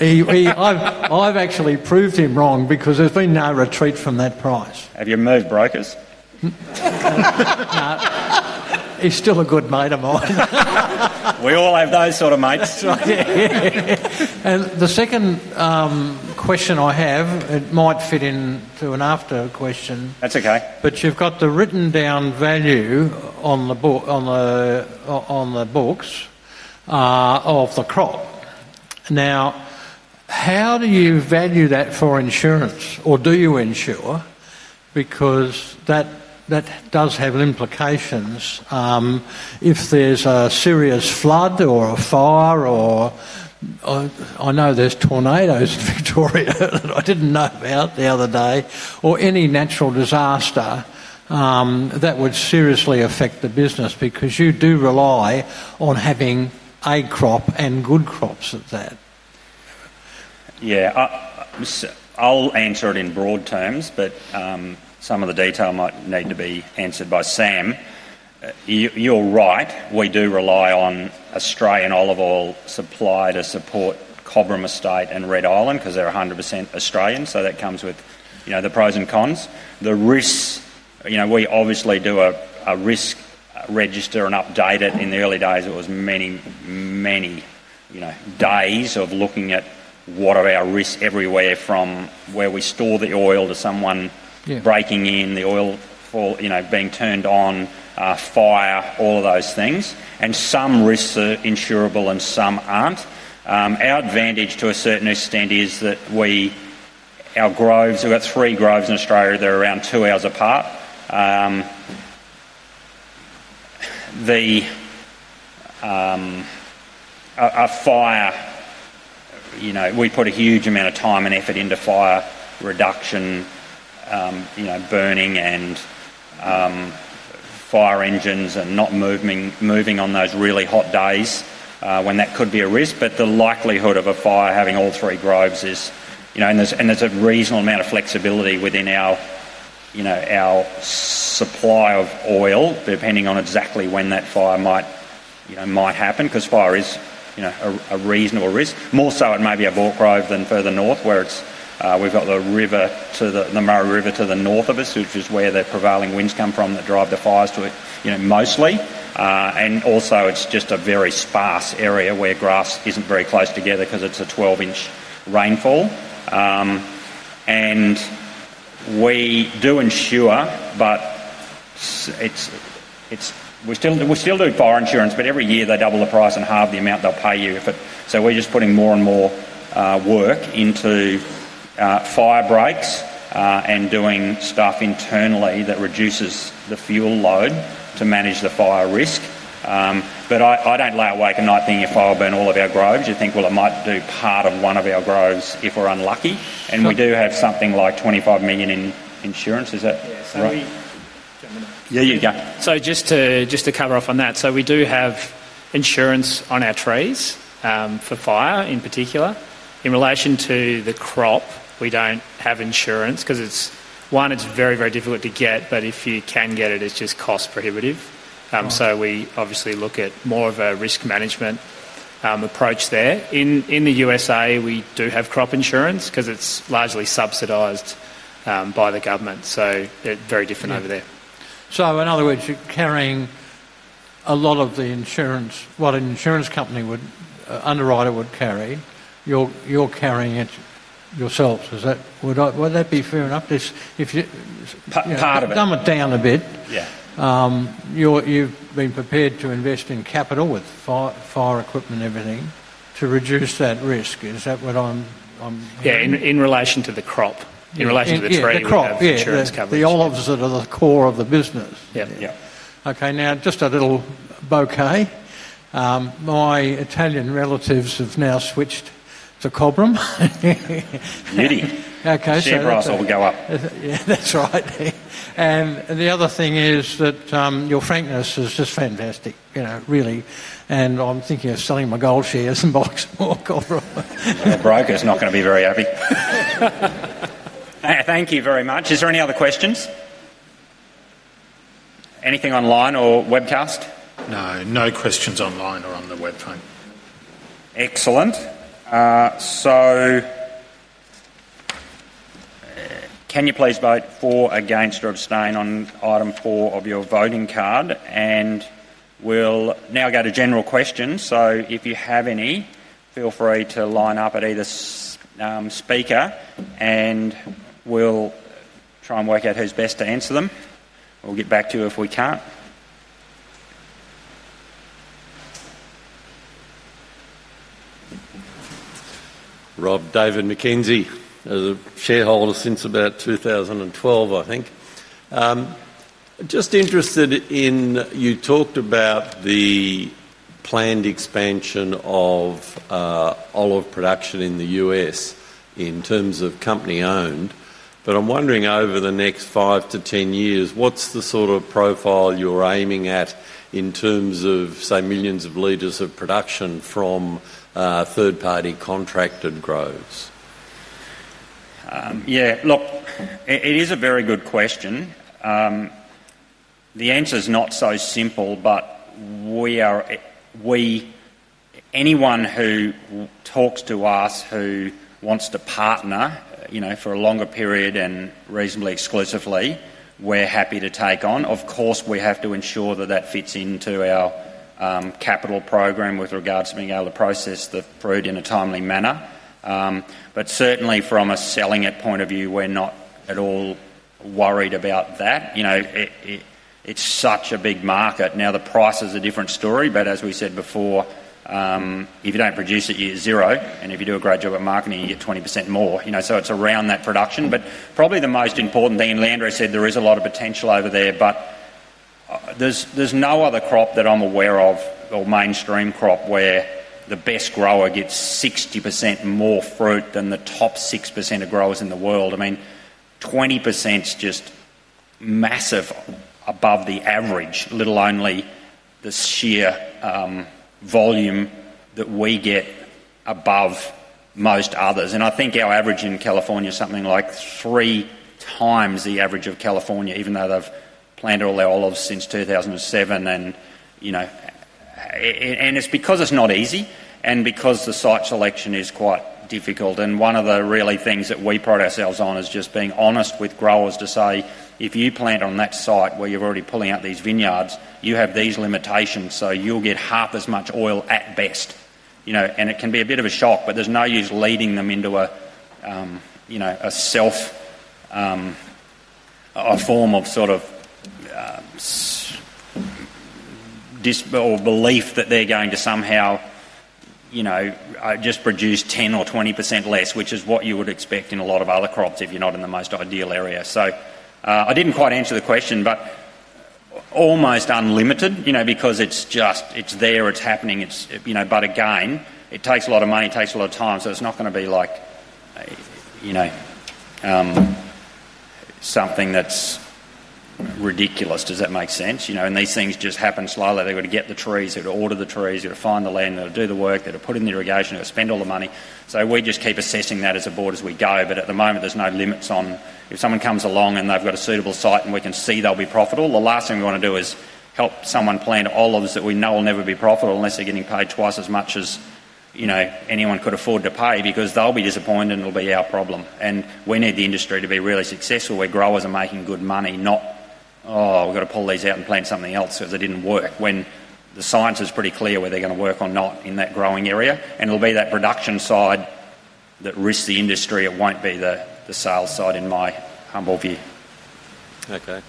I've actually proved him wrong because there's been no retreat from that price. Have you moved brokers? No, he's still a good mate of mine. We all have those sort of mates. The second question I have, it might fit into an after question. That's okay. You've got the written down value on the books of the crop. Now, how do you value that for insurance? Or do you insure? That does have implications if there's a serious flood or a fire, or I know there's tornadoes in Victoria that I didn't know about the other day, or any natural disaster. That would seriously affect the business because you do rely on having a crop and good crops at that. Yeah. I'll answer it in broad terms, but some of the detail might need to be answered by Sam. You're right. We do rely on Australian olive oil supply to support Cobram Estate and Red Island because they're 100% Australian. That comes with the pros and cons. The risks, we obviously do a risk register and update it. In the early days, it was many, many days of looking at what are our risks everywhere from where we store the oil to someone breaking in, the oil for being turned on, fire, all of those things. Some risks are insurable and some aren't. Our advantage to a certain extent is that we, our groves, we've got three groves in Australia. They're around two hours apart. The fire, we put a huge amount of time and effort into fire reduction, burning, and fire engines, and not moving on those really hot days when that could be a risk. The likelihood of a fire having all three groves is, and there's a reasonable amount of flexibility within our supply of oil depending on exactly when that fire might happen because fire is a reasonable risk. More so, it may be a bulk grove than further north where we've got the river, the Murray River, to the north of us, which is where the prevailing winds come from that drive the fires to it mostly. Also, it's just a very sparse area where grass isn't very close together because it's a 12 in rainfall. We do insure, but we still do fire insurance, but every year they double the price and halve the amount they'll pay you. We're just putting more and more work into fire breaks and doing stuff internally that reduces the fuel load to manage the fire risk. I don't lay awake at night thinking if fire burned all of our groves, you'd think, well, it might do part of one of our groves if we're unlucky. We do have something like 25 million in insurance, is it? Just to cover off on that, we do have insurance on our trees for fire in particular. In relation to the crop, we don't have insurance because it's very, very difficult to get, but if you can get it, it's just cost prohibitive. We obviously look at more of a risk management approach there. In the U.S., we do have crop insurance because it's largely subsidized by the government. It's very different over there. In other words, you're carrying a lot of the insurance, what an insurance company would underwrite or would carry, you're carrying it yourselves, is it? Would that be fair enough? Part of it. You've dumbed it down a bit. You've been prepared to invest in capital with fire equipment and everything to reduce that risk. Is that what I'm hearing? Yeah, in relation to the crop, in relation to the tree insurance coverage. Yeah, the crop, the olives that are the core of the business. Yeah. Okay, now just a little bouquet. My Italian relatives have now switched to Cobram Estate. Yiddi. Seagrass will go up. That's right. The other thing is that your frankness is just fantastic, really. I'm thinking of selling my gold shares and buying more Cobram. The broker's not going to be very happy. Thank you very much. Are there any other questions? Anything online or webcast? No, no questions online or on the webpage. Excellent. Please vote for or against or abstain on item four of your voting card. We'll now go to general questions. If you have any, feel free to line up at either speaker, and we'll try and work out who's best to answer them. We'll get back to you if we can't. Rob David McKenzie. As a shareholder since about 2012, I think. Just interested in you talked about the planned expansion of olive production in the U.S. in terms of company-owned. I'm wondering over the next five to 10 years, what's the sort of profile you're aiming at in terms of, say, millions of liters of production from third-party contracted groves? Yeah, look, it is a very good question. The answer is not so simple, but anyone who talks to us who wants to partner for a longer period and reasonably exclusively, we're happy to take on. Of course, we have to ensure that that fits into our capital program with regards to being able to process the fruit in a timely manner. Certainly, from a selling it point of view, we're not at all worried about that. It's such a big market. Now, the price is a different story, but as we said before, if you don't produce it, you get zero. If you do a great job at marketing, you get 20% more. It's around that production. Probably the most important thing, and Leandro said there is a lot of potential over there, but there's no other crop that I'm aware of or mainstream crop where the best grower gets 60% more fruit than the top 6% of growers in the world. I mean, 20% is just massive above the average, let alone the sheer volume that we get above most others. I think our average in California is something like three times the average of California, even though they've planted all their olives since 2007. It's because it's not easy and because the site selection is quite difficult. One of the things that we pride ourselves on is just being honest with growers to say, "If you plant on that site where you're already pulling out these vineyards, you have these limitations, so you'll get half as much oil at best." It can be a bit of a shock, but there's no use leading them into a form of sort of belief that they're going to somehow just produce 10% or 20% less, which is what you would expect in a lot of other crops if you're not in the most ideal area. I didn't quite answer the question, but almost unlimited because it's there, it's happening. Again, it takes a lot of money, takes a lot of time. It's not going to be like something that's ridiculous, does that make sense? These things just happen slowly. They've got to get the trees, they've got to order the trees, they've got to find the land, they've got to do the work, they've got to put in the irrigation, they've got to spend all the money. We just keep assessing that as a board as we go. At the moment, there's no limits on if someone comes along and they've got a suitable site and we can see they'll be profitable. The last thing we want to do is help someone plant olives that we know will never be profitable unless they're getting paid twice as much as anyone could afford to pay, because they'll be disappointed and it'll be our problem. We need the industry to be really successful where growers are making good money, not, "Oh, we've got to pull these out and plant something else because it didn't work," when the science is pretty clear where they're going to work or not in that growing area. It'll be that production side that risks the industry. It won't be the sales side, in my humble view. Okay.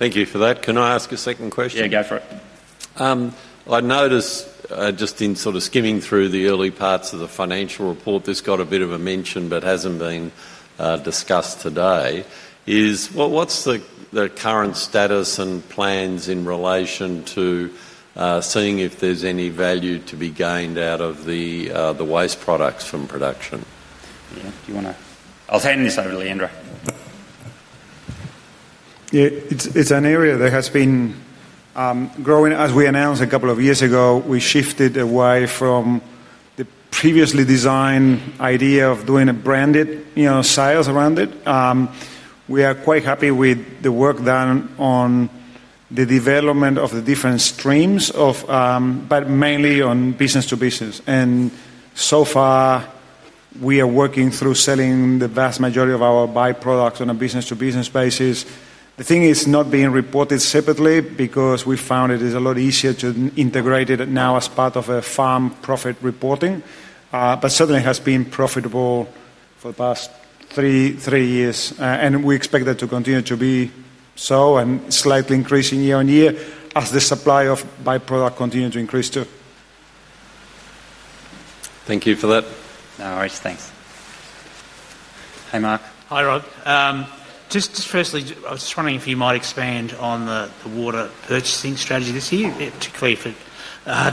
Thank you for that. Can I ask a second question? Yeah, go for it. I noticed just in sort of skimming through the early parts of the financial report, this got a bit of a mention but hasn't been discussed today. What's the current status and plans in relation to seeing if there's any value to be gained out of the waste products from production? Do you want to? I'll hand this over to Leandro. Yeah, it's an area that has been growing. As we announced a couple of years ago, we shifted away from the previously designed idea of doing a branded sales around it. We are quite happy with the work done on the development of the different streams, but mainly on business to business. So far, we are working through selling the vast majority of our byproducts on a business to business basis. The thing is not being reported separately because we found it is a lot easier to integrate it now as part of a farm profit reporting, but it certainly has been profitable for the past three years. We expect that to continue to be so and slightly increasing year on year as the supply of byproduct continues to increase too. Thank you for that. All right, thanks. Hey, Mark. Hi, Rob. Just firstly, I was just wondering if you might expand on the water purchasing strategy this year, particularly if it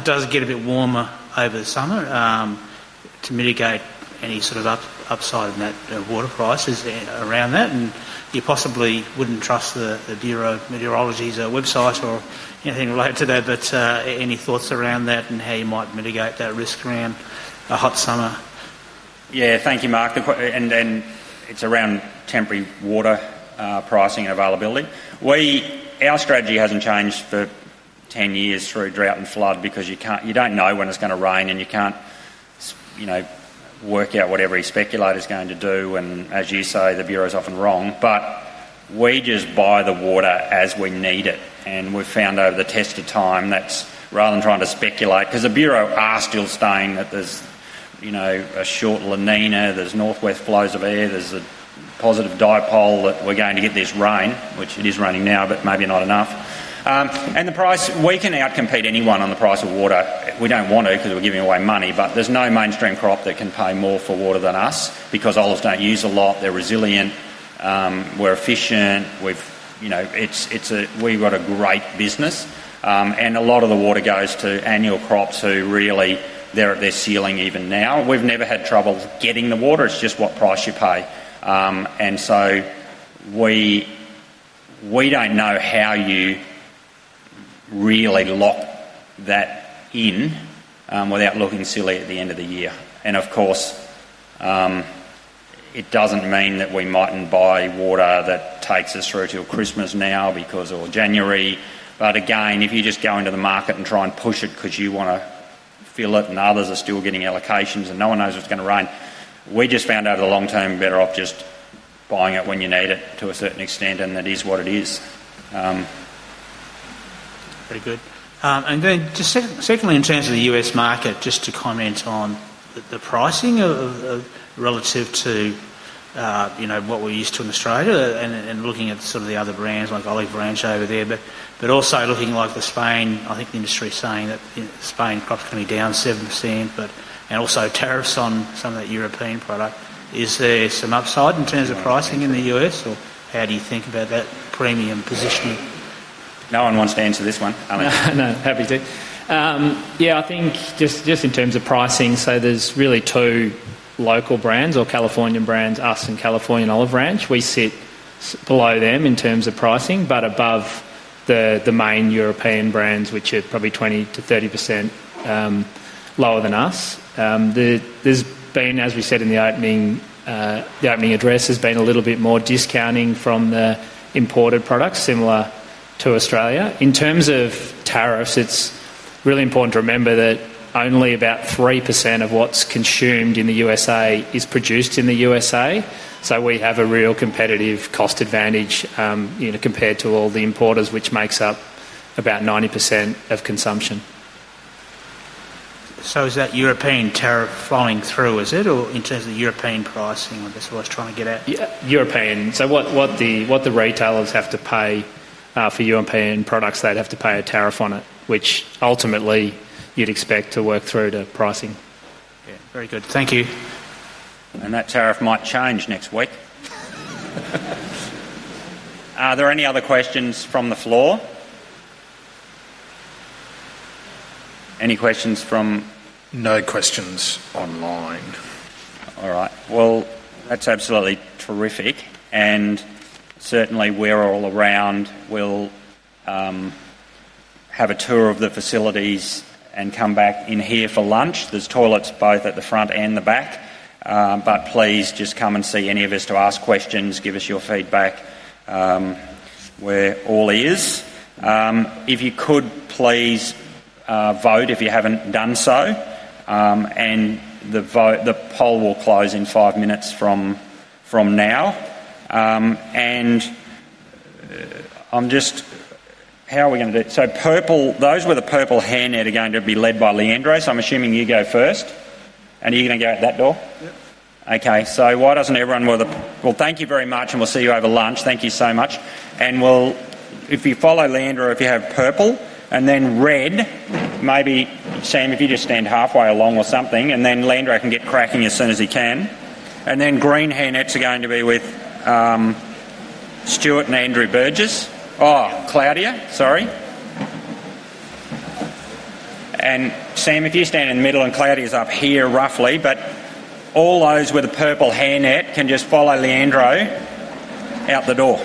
does get a bit warmer over the summer. To mitigate any sort of upside in that water prices around that. You possibly wouldn't trust the Bureau of Meteorology's website or anything related to that, but any thoughts around that and how you might mitigate that risk around a hot summer? Thank you, Mark. It's around temporary water pricing and availability. Our strategy hasn't changed for 10 years through drought and flood because you don't know when it's going to rain and you can't work out what every speculator is going to do. As you say, the Bureau is often wrong. We just buy the water as we need it. We've found over the test of time that rather than trying to speculate, because the Bureau are still saying that there's a short La Nina, there's northwest flows of air, there's a positive dipole that we're going to get this rain, which it is raining now, but maybe not enough. The price, we can outcompete anyone on the price of water. We don't want to because we're giving away money, but there's no mainstream crop that can pay more for water than us because olives don't use a lot. They're resilient. We're efficient. We've got a great business. A lot of the water goes to annual crops who really, they're at their ceiling even now. We've never had trouble getting the water. It's just what price you pay. We don't know how you really lock that in without looking silly at the end of the year. Of course, it doesn't mean that we mightn't buy water that takes us through till Christmas now because of January. If you just go into the market and try and push it because you want to fill it and others are still getting allocations and no one knows what's going to rain, we just found out in the long term, you're better off just buying it when you need it to a certain extent, and that is what it is. Pretty good. Secondly, in terms of the U.S. market, just to comment on the pricing. Relative to what we're used to in Australia and looking at sort of the other brands like Olive Branch over there, but also looking at Spain, I think the industry is saying that Spain crops are going to be down 7%, and also tariffs on some of that European product. Is there some upside in terms of pricing in the U.S., or how do you think about that premium positioning? No one wants to answer this one, I mean. No, happy to. Yeah, I think just in terms of pricing, so there's really two local brands, or California brands, us and California Olive Branch. We sit below them in terms of pricing, but above the main European brands, which are probably 20%-30% lower than us. There's been, as we said in the opening address, there's been a little bit more discounting from the imported products, similar to Australia. In terms of tariffs, it's really important to remember that only about 3% of what's consumed in the U.S. is produced in the U.S.. We have a real competitive cost advantage compared to all the importers, which makes up about 90% of consumption. Is that European tariff flowing through, is it, or in terms of European pricing, I guess I was trying to get at? Yeah, European. What the retailers have to pay for European products, they'd have to pay a tariff on it, which ultimately you'd expect to work through to pricing. Yeah, very good. Thank you. That tariff might change next week. Are there any other questions from the floor? Any questions from? No questions online. All right. That's absolutely terrific. Certainly, we're all around. We'll have a tour of the facilities and come back in here for lunch. There are toilets both at the front and the back. Please just come and see any of us to ask questions or give us your feedback. We're all ears. If you could, please vote if you haven't done so. The poll will close in five minutes from now. I'm just—how are we going to do it? Those with the purple hand are going to be led by Leandro, so I'm assuming you go first. Are you going to go out that door? Yep. Thank you very much, and we'll see you over lunch. Thank you so much. If you follow Leandro, if you have purple and then red, maybe Sam, if you just stand halfway along or something, Leandro can get cracking as soon as he can. Green hand nets are going to be with Stuart and Andrew Burgess. Oh, Claudia, sorry. Sam, if you stand in the middle and Claudia's up here roughly, all those with a purple hand net can just follow Leandro out the door.